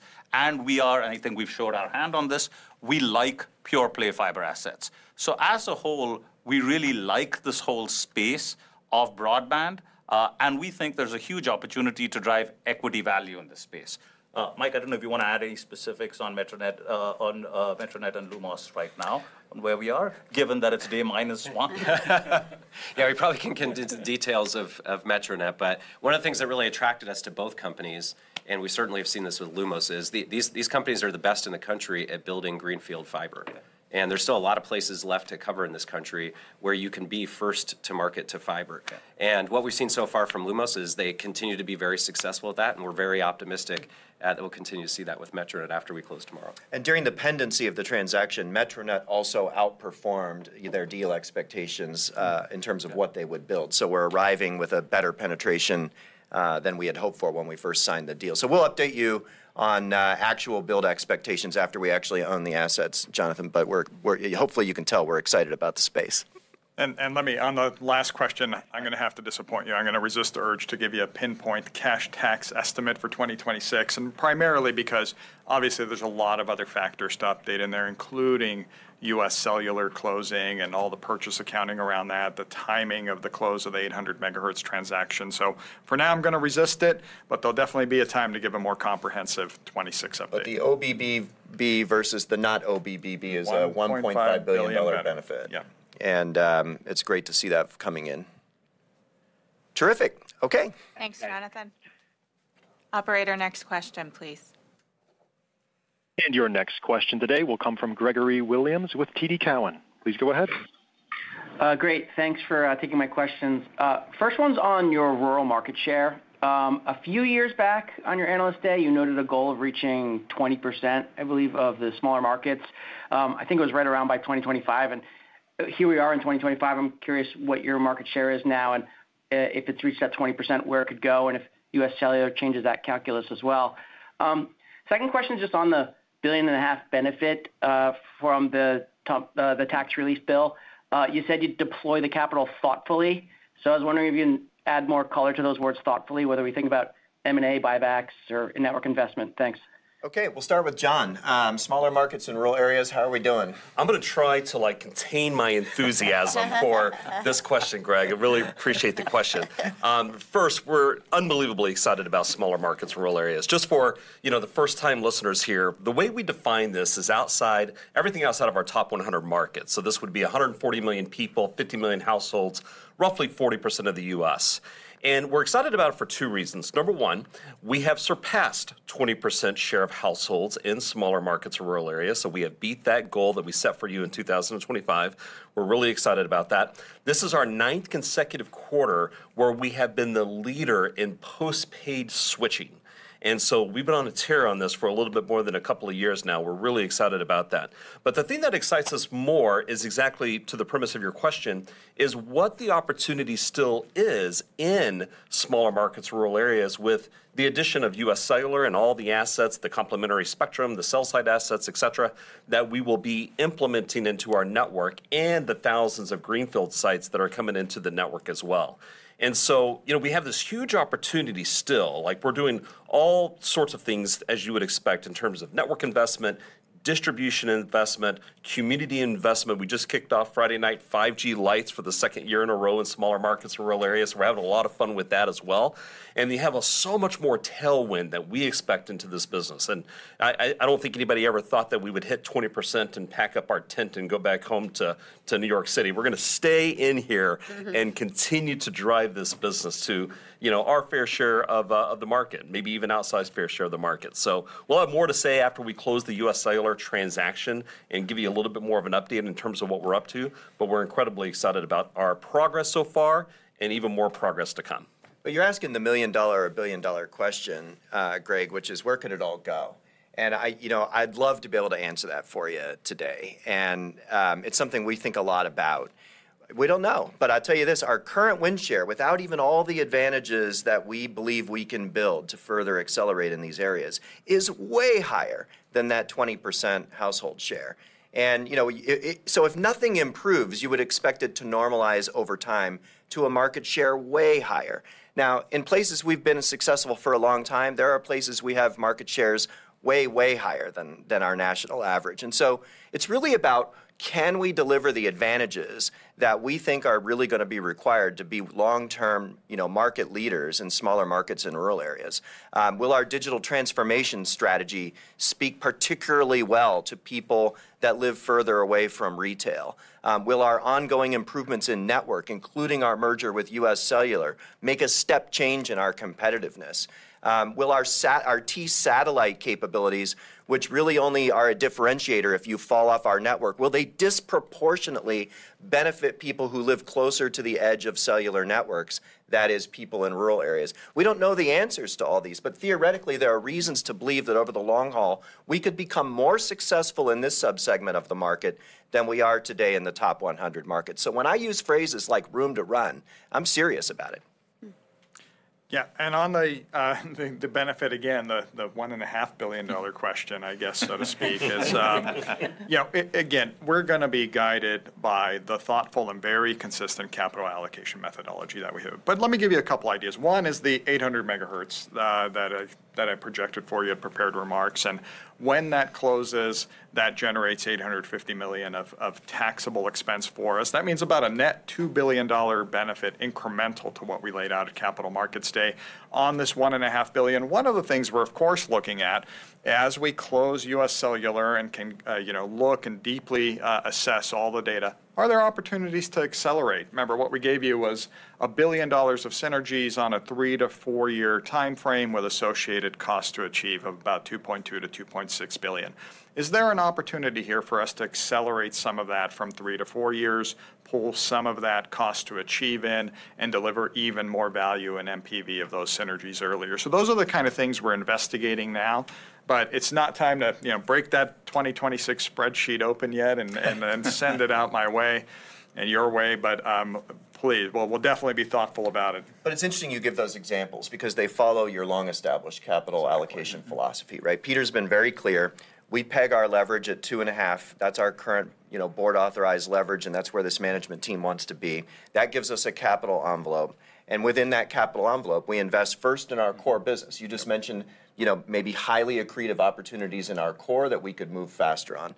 We are, and I think we've showed our hand on this, we like pure-play fiber assets. As a whole, we really like this whole space of broadband, and we think there's a huge opportunity to drive equity value in this space. Mike, I don't know if you want to add any specifics on Metronet and Lumos right now on where we are, given that it's day minus one. We probably can get into the details of Metronet, but one of the things that really attracted us to both companies, and we certainly have seen this with Lumos, is these companies are the best in the country at building Greenfield fiber. There's still a lot of places left to cover in this country where you can be first to market to fiber. What we've seen so far from Lumos is they continue to be very successful at that, and we're very optimistic that we'll continue to see that with Metronet after we close tomorrow. During the pendency of the transaction, Metronet also outperformed their deal expectations in terms of what they would build. We're arriving with a better penetration than we had hoped for when we first signed the deal. We'll update you on actual build expectations after we actually own the assets, Jonathan. Hopefully, you can tell we're excited about the space. Let me, on the last question, I'm going to have to disappoint you. I'm going to resist the urge to give you a pinpoint cash tax estimate for 2026, primarily because, obviously, there's a lot of other factors to update in there, including UScellular closing and all the purchase accounting around that, the timing of the close of the 800 MHz transaction. For now, I'm going to resist it, but there'll definitely be a time to give a more comprehensive 2026 update. The OBBB versus the not OBBB is a $1.5 billion benefit. Yeah. It's great to see that coming in. Terrific. Okay. Thanks, Jonathan. Operator, next question, please. Your next question today will come from Gregory Williams with TD Cowen. Please go ahead. Great. Thanks for taking my questions. First one's on your rural market share. A few years back on your analyst day, you noted a goal of reaching 20%, I believe, of the smaller markets. I think it was right around by 2025. And here we are in 2025. I'm curious what your market share is now and if it's reached that 20%, where it could go, and if UScellular changes that calculus as well. Second question is just on the $1.5 billion benefit from the tax release bill. You said you'd deploy the capital thoughtfully. I was wondering if you can add more color to those words thoughtfully, whether we think about M&A, buybacks, or network investment. Thanks. Okay, we'll start with John. Smaller markets in rural areas, how are we doing? I'm going to try to contain my enthusiasm for this question, Greg. I really appreciate the question. First, we're unbelievably excited about smaller markets in rural areas. Just for the first-time listeners here, the way we define this is everything outside of our top 100 markets. This would be 140 million people, 50 million households, roughly 40% of the U.S. We are excited about it for two reasons. Number one, we have surpassed 20% share of households in smaller markets and rural areas. We have beat that goal that we set for you in 2025. We are really excited about that. This is our ninth consecutive quarter where we have been the leader in postpaid switching. We have been on a tear on this for a little bit more than a couple of years now. We are really excited about that. The thing that excites us more is exactly to the premise of your question, is what the opportunity still is in smaller markets, rural areas, with the addition of UScellular and all the assets, the complementary spectrum, the cell-site assets, et cetera, that we will be implementing into our network and the thousands of Greenfield sites that are coming into the network as well. We have this huge opportunity still. We're doing all sorts of things, as you would expect, in terms of network investment, distribution investment, community investment. We just kicked off Friday Night 5G Lights for the second year in a row in smaller markets in rural areas. We're having a lot of fun with that as well. We have so much more tailwind that we expect into this business. I don't think anybody ever thought that we would hit 20% and pack up our tent and go back home to New York City. We're going to stay in here and continue to drive this business to our fair share of the market, maybe even outsized fair share of the market. We'll have more to say after we close the UScellular transaction and give you a little bit more of an update in terms of what we're up to. We're incredibly excited about our progress so far and even more progress to come. You're asking the million-dollar or billion-dollar question, Greg, which is, where could it all go? I'd love to be able to answer that for you today. It's something we think a lot about. We don't know. I'll tell you this. Our current wind share, without even all the advantages that we believe we can build to further accelerate in these areas, is way higher than that 20% household share. If nothing improves, you would expect it to normalize over time to a market share way higher. In places we have been successful for a long time, there are places we have market shares way, way higher than our national average. It is really about, can we deliver the advantages that we think are really going to be required to be long-term market leaders in smaller markets in rural areas? Will our digital transformation strategy speak particularly well to people that live further away from retail? Will our ongoing improvements in network, including our merger with UScellular, make a step change in our competitiveness? Will our T-Satellite capabilities, which really only are a differentiator if you fall off our network, will they disproportionately benefit people who live closer to the edge of cellular networks, that is, people in rural areas? We do not know the answers to all these, but theoretically, there are reasons to believe that over the long haul, we could become more successful in this subsegment of the market than we are today in the top 100 markets. When I use phrases like room to run, I am serious about it. Yeah. On the benefit, again, the $1.5 billion question, I guess, so to speak, is, again, we are going to be guided by the thoughtful and very consistent capital allocation methodology that we have. Let me give you a couple of ideas. One is the 800 MHz that I projected for you in prepared remarks. When that closes, that generates $850 million of taxable expense for us. That means about a net $2 billion benefit incremental to what we laid out at Capital Markets Day on this $1.5 billion. One of the things we're, of course, looking at as we close UScellular and can look and deeply assess all the data, are there opportunities to accelerate? Remember, what we gave you was $1 billion of synergies on a three to four-year timeframe with associated cost to achieve of about $2.2 billion-$2.6 billion. Is there an opportunity here for us to accelerate some of that from three to four years, pull some of that cost to achieve in, and deliver even more value in MPV of those synergies earlier? Those are the kind of things we're investigating now. It is not time to break that 2026 spreadsheet open yet and send it out my way and your way. Please, we will definitely be thoughtful about it. It is interesting you give those examples because they follow your long-established capital allocation philosophy, right? Peter has been very clear. We peg our leverage at $2.5. That is our current board-authorized leverage, and that is where this management team wants to be. That gives us a capital envelope. Within that capital envelope, we invest first in our core business. You just mentioned maybe highly accretive opportunities in our core that we could move faster on.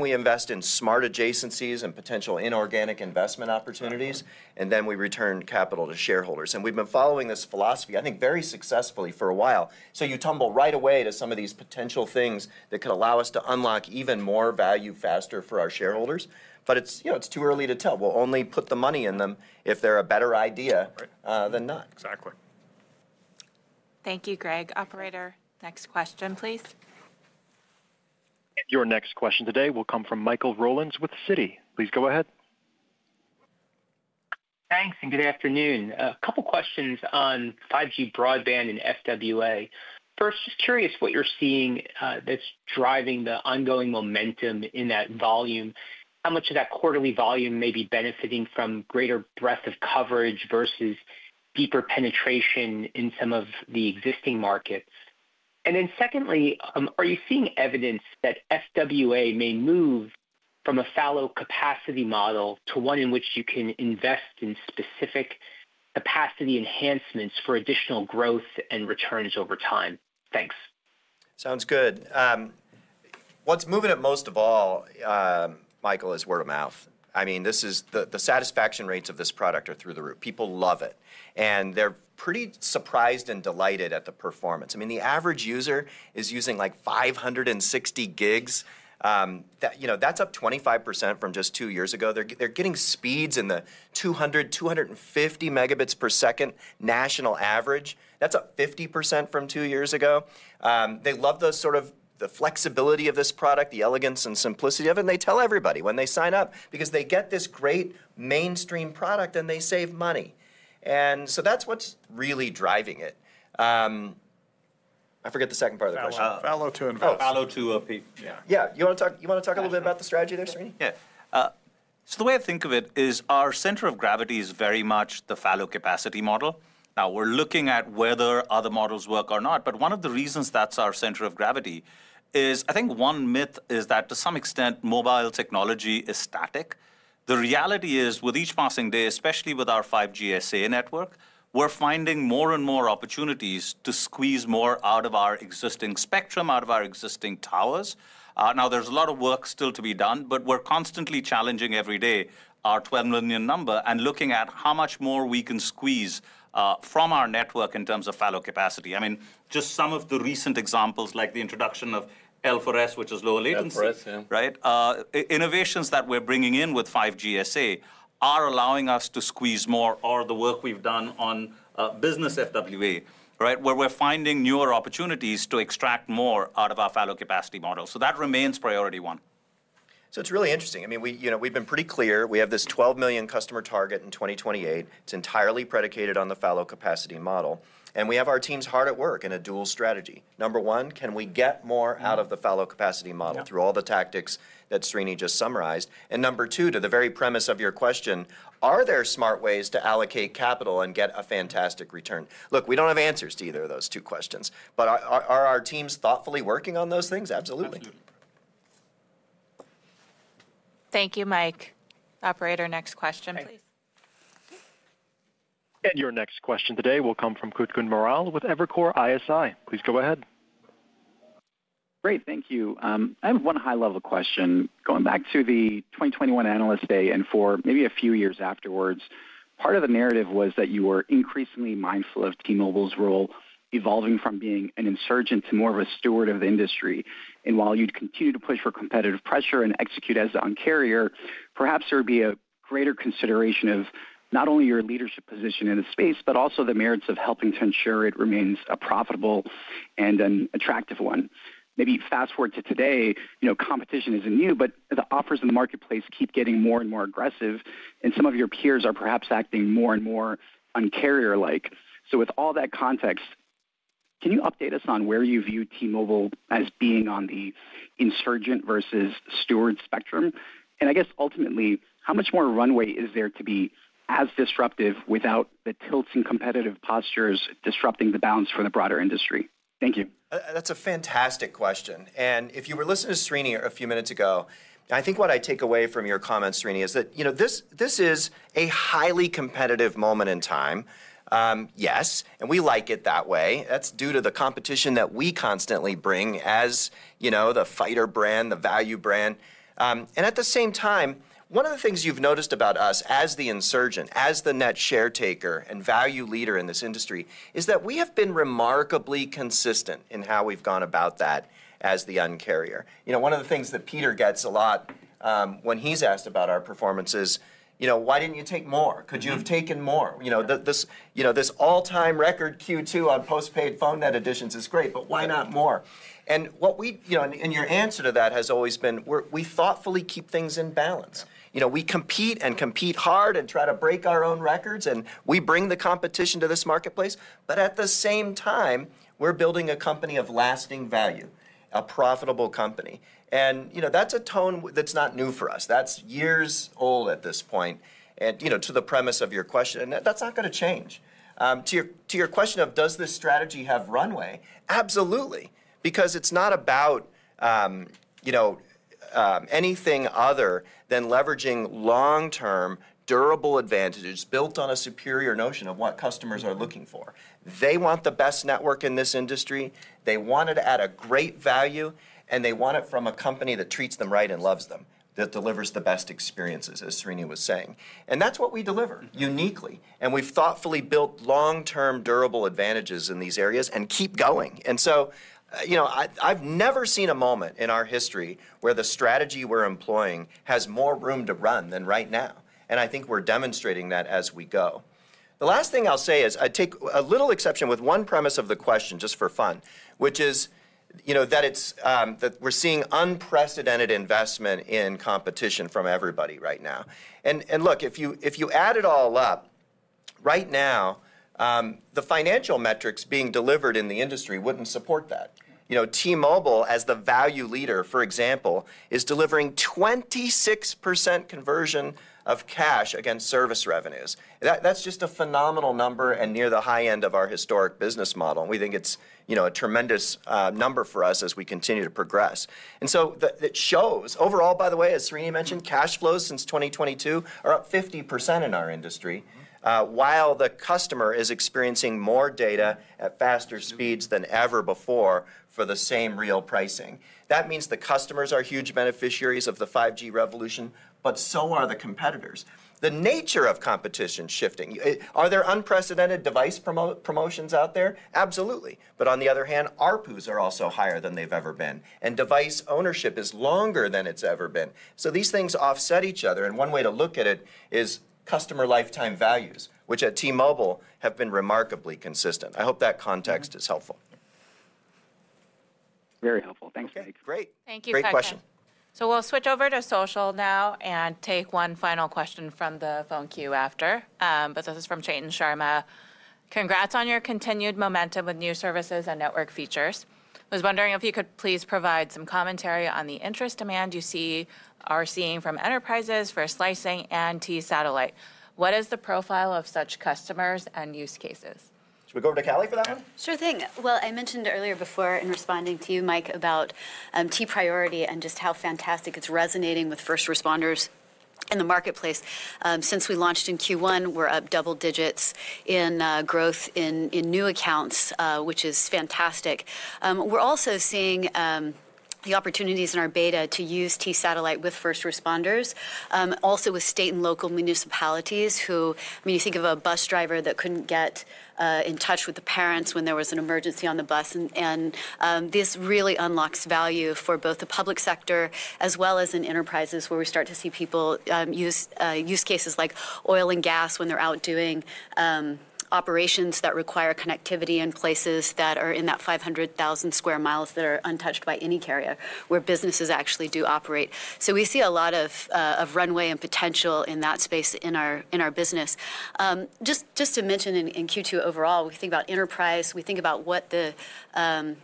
We invest in smart adjacencies and potential inorganic investment opportunities, and we return capital to shareholders. We have been following this philosophy, I think, very successfully for a while. You tumble right away to some of these potential things that could allow us to unlock even more value faster for our shareholders. It is too early to tell. We will only put the money in them if they are a better idea than not. Exactly. Thank you, Greg. Operator, next question, please. Your next question today will come from Michael Rollins with Citi. Please go ahead. Thanks and good afternoon. A couple of questions on 5G broadband and FWA. First, just curious what you are seeing that is driving the ongoing momentum in that volume. How much of that quarterly volume may be benefiting from greater breadth of coverage versus deeper penetration in some of the existing markets? Secondly, are you seeing evidence that FWA may move from a fallow capacity model to one in which you can invest in specific capacity enhancements for additional growth and returns over time? Thanks. Sounds good. What's moving it most of all, Michael, is word of mouth. I mean, the satisfaction rates of this product are through the roof. People love it. They are pretty surprised and delighted at the performance. I mean, the average user is using like 560 GB. That's up 25% from just two years ago. They are getting speeds in the 200 Mbps-250 Mbps national average. That's up 50% from two years ago. They love the flexibility of this product, the elegance and simplicity of it. They tell everybody when they sign up because they get this great mainstream product and they save money. That's what's really driving it. I forget the second part of the question. Follow to invest. Follow to, yeah. Yeah. You want to talk a little bit about the strategy there, Srini? Yeah. The way I think of it is our center of gravity is very much the fallow capacity model. Now, we're looking at whether other models work or not. One of the reasons that's our center of gravity is, I think one myth is that to some extent, mobile technology is static. The reality is, with each passing day, especially with our 5G SA network, we're finding more and more opportunities to squeeze more out of our existing spectrum, out of our existing towers. There's a lot of work still to be done, but we're constantly challenging every day our 12 million number and looking at how much more we can squeeze from our network in terms of fallow capacity. I mean, just some of the recent examples, like the introduction of L4S, which is lower latency, right? Innovations that we're bringing in with 5G SA are allowing us to squeeze more, or the work we've done on business FWA, where we're finding newer opportunities to extract more out of our fallow capacity model. That remains priority one. It's really interesting. I mean, we've been pretty clear. We have this 12 million customer target in 2028. It's entirely predicated on the fallow capacity model. We have our teams hard at work in a dual strategy. Number one, can we get more out of the fallow capacity model through all the tactics that Srini just summarized? Number two, to the very premise of your question, are there smart ways to allocate capital and get a fantastic return? Look, we don't have answers to either of those two questions. Are our teams thoughtfully working on those things? Absolutely. Absolutely. Thank you, Mike. Operator, next question, please. Your next question today will come from Kutgun Maral with Evercore ISI. Please go ahead. Great. Thank you. I have one high-level question. Going back to the 2021 analyst day and for maybe a few years afterwards, part of the narrative was that you were increasingly mindful of T-Mobile's role evolving from being an insurgent to more of a steward of the industry. While you'd continue to push for competitive pressure and execute as the uncarrier, perhaps there would be a greater consideration of not only your leadership position in the space, but also the merits of helping to ensure it remains a profitable and an attractive one. Maybe fast forward to today, competition isn't new, but the offers in the marketplace keep getting more and more aggressive. Some of your peers are perhaps acting more and more uncarrier-like. With all that context, can you update us on where you view T-Mobile as being on the insurgent versus steward spectrum? I guess, ultimately, how much more runway is there to be as disruptive without the tilting competitive postures disrupting the balance for the broader industry? Thank you. That is a fantastic question. If you were listening to Srini a few minutes ago, I think what I take away from your comment, Srini, is that this is a highly competitive moment in time. Yes, and we like it that way. That is due to the competition that we constantly bring as the fighter brand, the value brand. At the same time, one of the things you've noticed about us as the insurgent, as the net share taker and value leader in this industry, is that we have been remarkably consistent in how we've gone about that as the uncarrier. One of the things that Peter gets a lot when he's asked about our performance is, why didn't you take more? Could you have taken more? This all-time record Q2 on postpaid phone net additions is great, but why not more? Your answer to that has always been, we thoughtfully keep things in balance. We compete and compete hard and try to break our own records, and we bring the competition to this marketplace. At the same time, we're building a company of lasting value, a profitable company. That's a tone that's not new for us. That's years old at this point. To the premise of your question, and that's not going to change. To your question of, does this strategy have runway? Absolutely. Because it's not about anything other than leveraging long-term durable advantages built on a superior notion of what customers are looking for. They want the best network in this industry. They want it at a great value, and they want it from a company that treats them right and loves them, that delivers the best experiences, as Srini was saying. That's what we deliver uniquely. We've thoughtfully built long-term durable advantages in these areas and keep going. I've never seen a moment in our history where the strategy we're employing has more room to run than right now. I think we're demonstrating that as we go. The last thing I'll say is I take a little exception with one premise of the question just for fun, which is that we're seeing unprecedented investment in competition from everybody right now. If you add it all up, right now, the financial metrics being delivered in the industry wouldn't support that. T-Mobile, as the value leader, for example, is delivering 26% conversion of cash against service revenues. That's just a phenomenal number and near the high end of our historic business model. We think it's a tremendous number for us as we continue to progress. It shows overall, by the way, as Srini mentioned, cash flows since 2022 are up 50% in our industry, while the customer is experiencing more data at faster speeds than ever before for the same real pricing. That means the customers are huge beneficiaries of the 5G revolution, but so are the competitors. The nature of competition shifting. Are there unprecedented device promotions out there? Absolutely. On the other hand, our poohs are also higher than they've ever been. And device ownership is longer than it's ever been. These things offset each other. One way to look at it is customer lifetime values, which at T-Mobile have been remarkably consistent. I hope that context is helpful. Very helpful. Thanks. Great. Thank you, Kutgun. Great question. We'll switch over to social now and take one final question from the phone queue after. This is from Chetan Sharma. Congrats on your continued momentum with new services and network features. I was wondering if you could please provide some commentary on the interest demand you are seeing from enterprises for slicing and T-Satellite. What is the profile of such customers and use cases? Should we go over to Callie for that one? Sure thing. I mentioned earlier before in responding to you, Mike, about T-Priority and just how fantastic it's resonating with first responders in the marketplace. Since we launched in Q1, we're up double digits in growth in new accounts, which is fantastic. We're also seeing the opportunities in our beta to use T-Satellite with first responders, also with state and local municipalities who, you think of a bus driver that could not get in touch with the parents when there was an emergency on the bus. This really unlocks value for both the public sector as well as in enterprises where we start to see people use use cases like oil and gas when they're out doing operations that require connectivity in places that are in that 500,000 sq mi that are untouched by any carrier where businesses actually do operate. We see a lot of runway and potential in that space in our business. Just to mention, in Q2 overall, we think about enterprise. We think about what the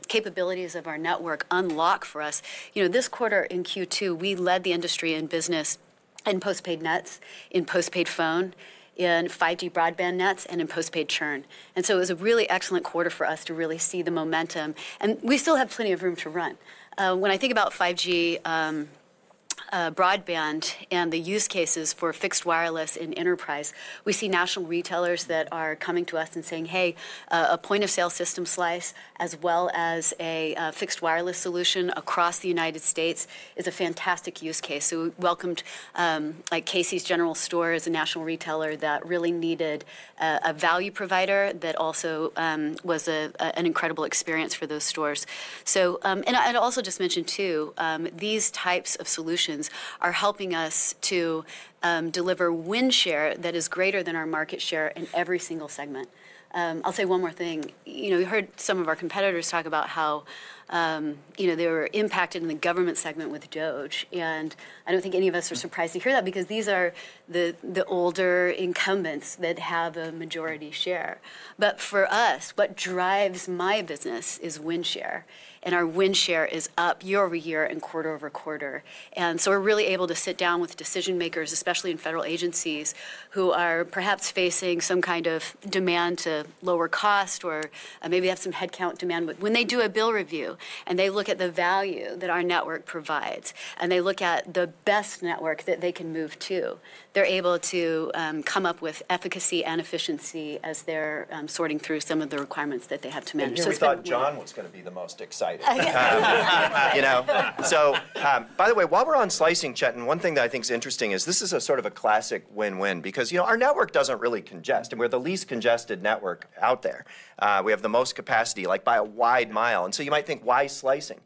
capabilities of our network unlock for us. This quarter in Q2, we led the industry in business in postpaid nets, in postpaid phone, in 5G broadband nets, and in postpaid churn. It was a really excellent quarter for us to really see the momentum. We still have plenty of room to run. When I think about 5G broadband and the use cases for fixed wireless in enterprise, we see national retailers that are coming to us and saying, "Hey, a point-of-sale system slice, as well as a fixed wireless solution across the United States is a fantastic use case." We welcomed Casey's General Store as a national retailer that really needed a value provider that also was an incredible experience for those stores. I'd also just mention too, these types of solutions are helping us to deliver wind share that is greater than our market share in every single segment. I'll say one more thing. You heard some of our competitors talk about how they were impacted in the government segment with DOGE. I don't think any of us are surprised to hear that because these are the older incumbents that have a majority share. For us, what drives my business is win share. Our win share is up year over year and quarter over quarter. We are really able to sit down with decision makers, especially in federal agencies, who are perhaps facing some kind of demand to lower cost or maybe have some headcount demand. When they do a bill review and they look at the value that our network provides and they look at the best network that they can move to, they are able to come up with efficacy and efficiency as they are sorting through some of the requirements that they have to manage. I thought John was going to be the most excited. By the way, while we are on slicing, Chetan, one thing that I think is interesting is this is a sort of a classic win-win because our network does not really congest. We're the least congested network out there. We have the most capacity, like by a wide mile. You might think, why slicing?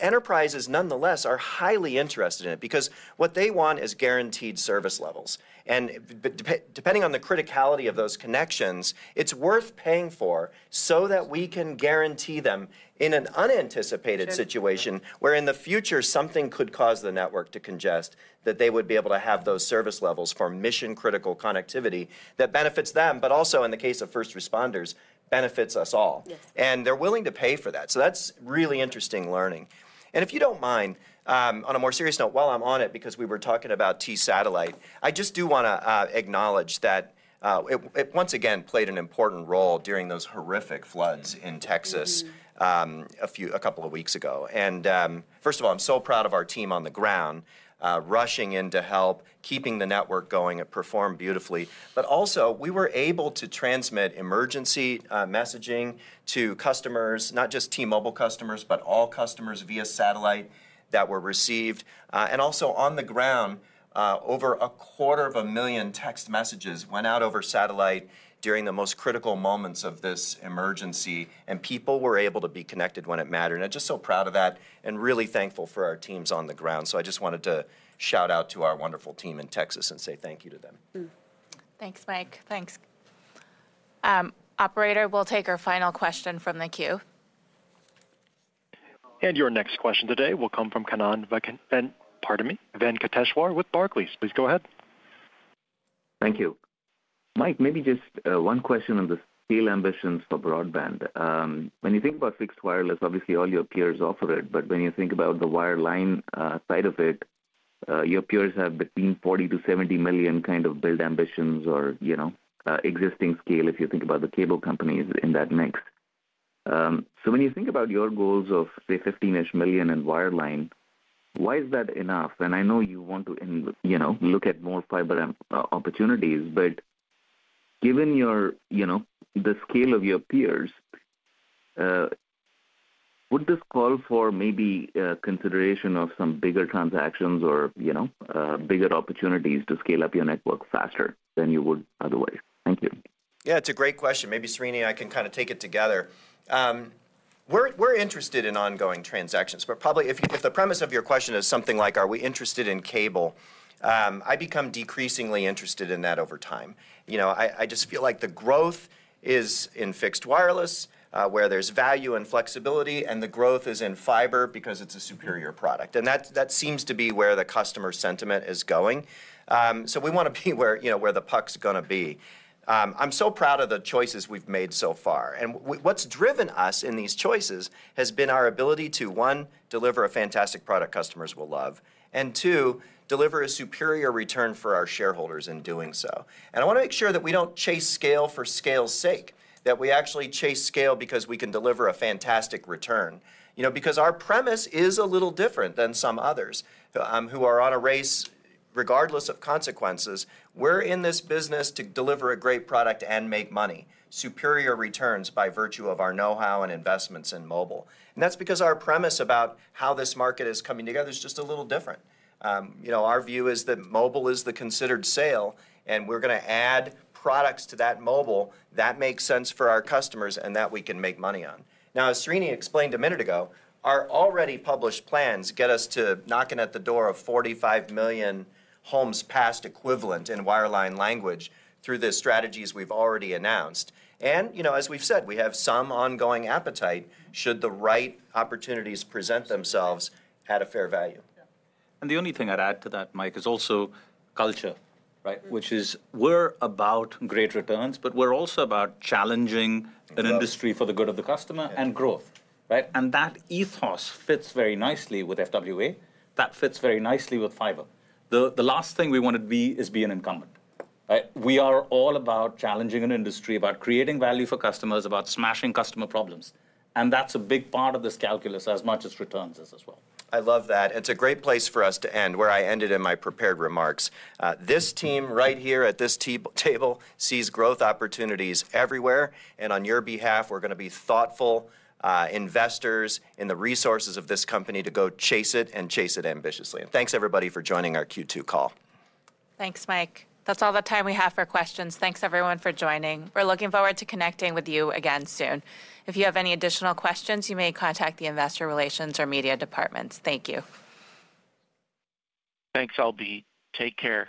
Enterprises, nonetheless, are highly interested in it because what they want is guaranteed service levels. Depending on the criticality of those connections, it's worth paying for so that we can guarantee them in an unanticipated situation where in the future, something could cause the network to congest, that they would be able to have those service levels for mission-critical connectivity that benefits them, but also in the case of first responders, benefits us all. They're willing to pay for that. That's really interesting learning. If you do not mind, on a more serious note, while I am on it, because we were talking about T-Satellite, I just do want to acknowledge that it once again played an important role during those horrific floods in Texas a couple of weeks ago. First of all, I am so proud of our team on the ground rushing in to help keeping the network going. It performed beautifully. We were able to transmit emergency messaging to customers, not just T-Mobile customers, but all customers via satellite that were received. Also, on the ground, over a quarter of a million text messages went out over satellite during the most critical moments of this emergency. People were able to be connected when it mattered. I am just so proud of that and really thankful for our teams on the ground. I just wanted to shout out to our wonderful team in Texas and say thank you to them. Thanks, Mike. Thanks. Operator, we'll take our final question from the queue. Your next question today will come from Kanan Venkateshwar with Barclays. Please go ahead. Thank you. Mike, maybe just one question on the scale ambitions for broadband. When you think about fixed wireless, obviously all your peers offer it. When you think about the wireline side of it, your peers have between 40 million-70 million kind of build ambitions or existing scale if you think about the cable companies in that mix. When you think about your goals of, say, 15-ish million in wireline, why is that enough? I know you want to look at more fiber opportunities. Given the scale of your peers, would this call for maybe consideration of some bigger transactions or bigger opportunities to scale up your network faster than you would otherwise? Thank you. Yeah, it's a great question. Maybe Srini, I can kind of take it together. We're interested in ongoing transactions. Probably if the premise of your question is something like, are we interested in cable, I become decreasingly interested in that over time. I just feel like the growth is in fixed wireless, where there's value and flexibility, and the growth is in fiber because it's a superior product. That seems to be where the customer sentiment is going. We want to be where the puck's going to be. I'm so proud of the choices we've made so far. What has driven us in these choices has been our ability to, one, deliver a fantastic product customers will love, and two, deliver a superior return for our shareholders in doing so. I want to make sure that we do not chase scale for scale's sake, that we actually chase scale because we can deliver a fantastic return. Our premise is a little different than some others who are on a race regardless of consequences. We are in this business to deliver a great product and make money, superior returns by virtue of our know-how and investments in mobile. That is because our premise about how this market is coming together is just a little different. Our view is that mobile is the considered sale, and we are going to add products to that mobile that make sense for our customers and that we can make money on. Now, as Srini explained a minute ago, our already published plans get us to knocking at the door of 45 million homes past equivalent in wireline language through the strategies we've already announced. As we've said, we have some ongoing appetite should the right opportunities present themselves at a fair value. The only thing I'd add to that, Mike, is also culture, which is we're about great returns, but we're also about challenging an industry for the good of the customer and growth. That ethos fits very nicely with FWA. That fits very nicely with fiber. The last thing we want to be is be an incumbent. We are all about challenging an industry, about creating value for customers, about smashing customer problems. That's a big part of this calculus as much as returns is as well. I love that. It's a great place for us to end, where I ended in my prepared remarks. This team right here at this table sees growth opportunities everywhere. On your behalf, we're going to be thoughtful investors in the resources of this company to go chase it and chase it ambitiously. Thanks, everybody, for joining our Q2 call. Thanks, Mike. That's all the time we have for questions. Thanks, everyone, for joining. We're looking forward to connecting with you again soon. If you have any additional questions, you may contact the investor relations or media departments. Thank you. Thanks, Albee. Take care.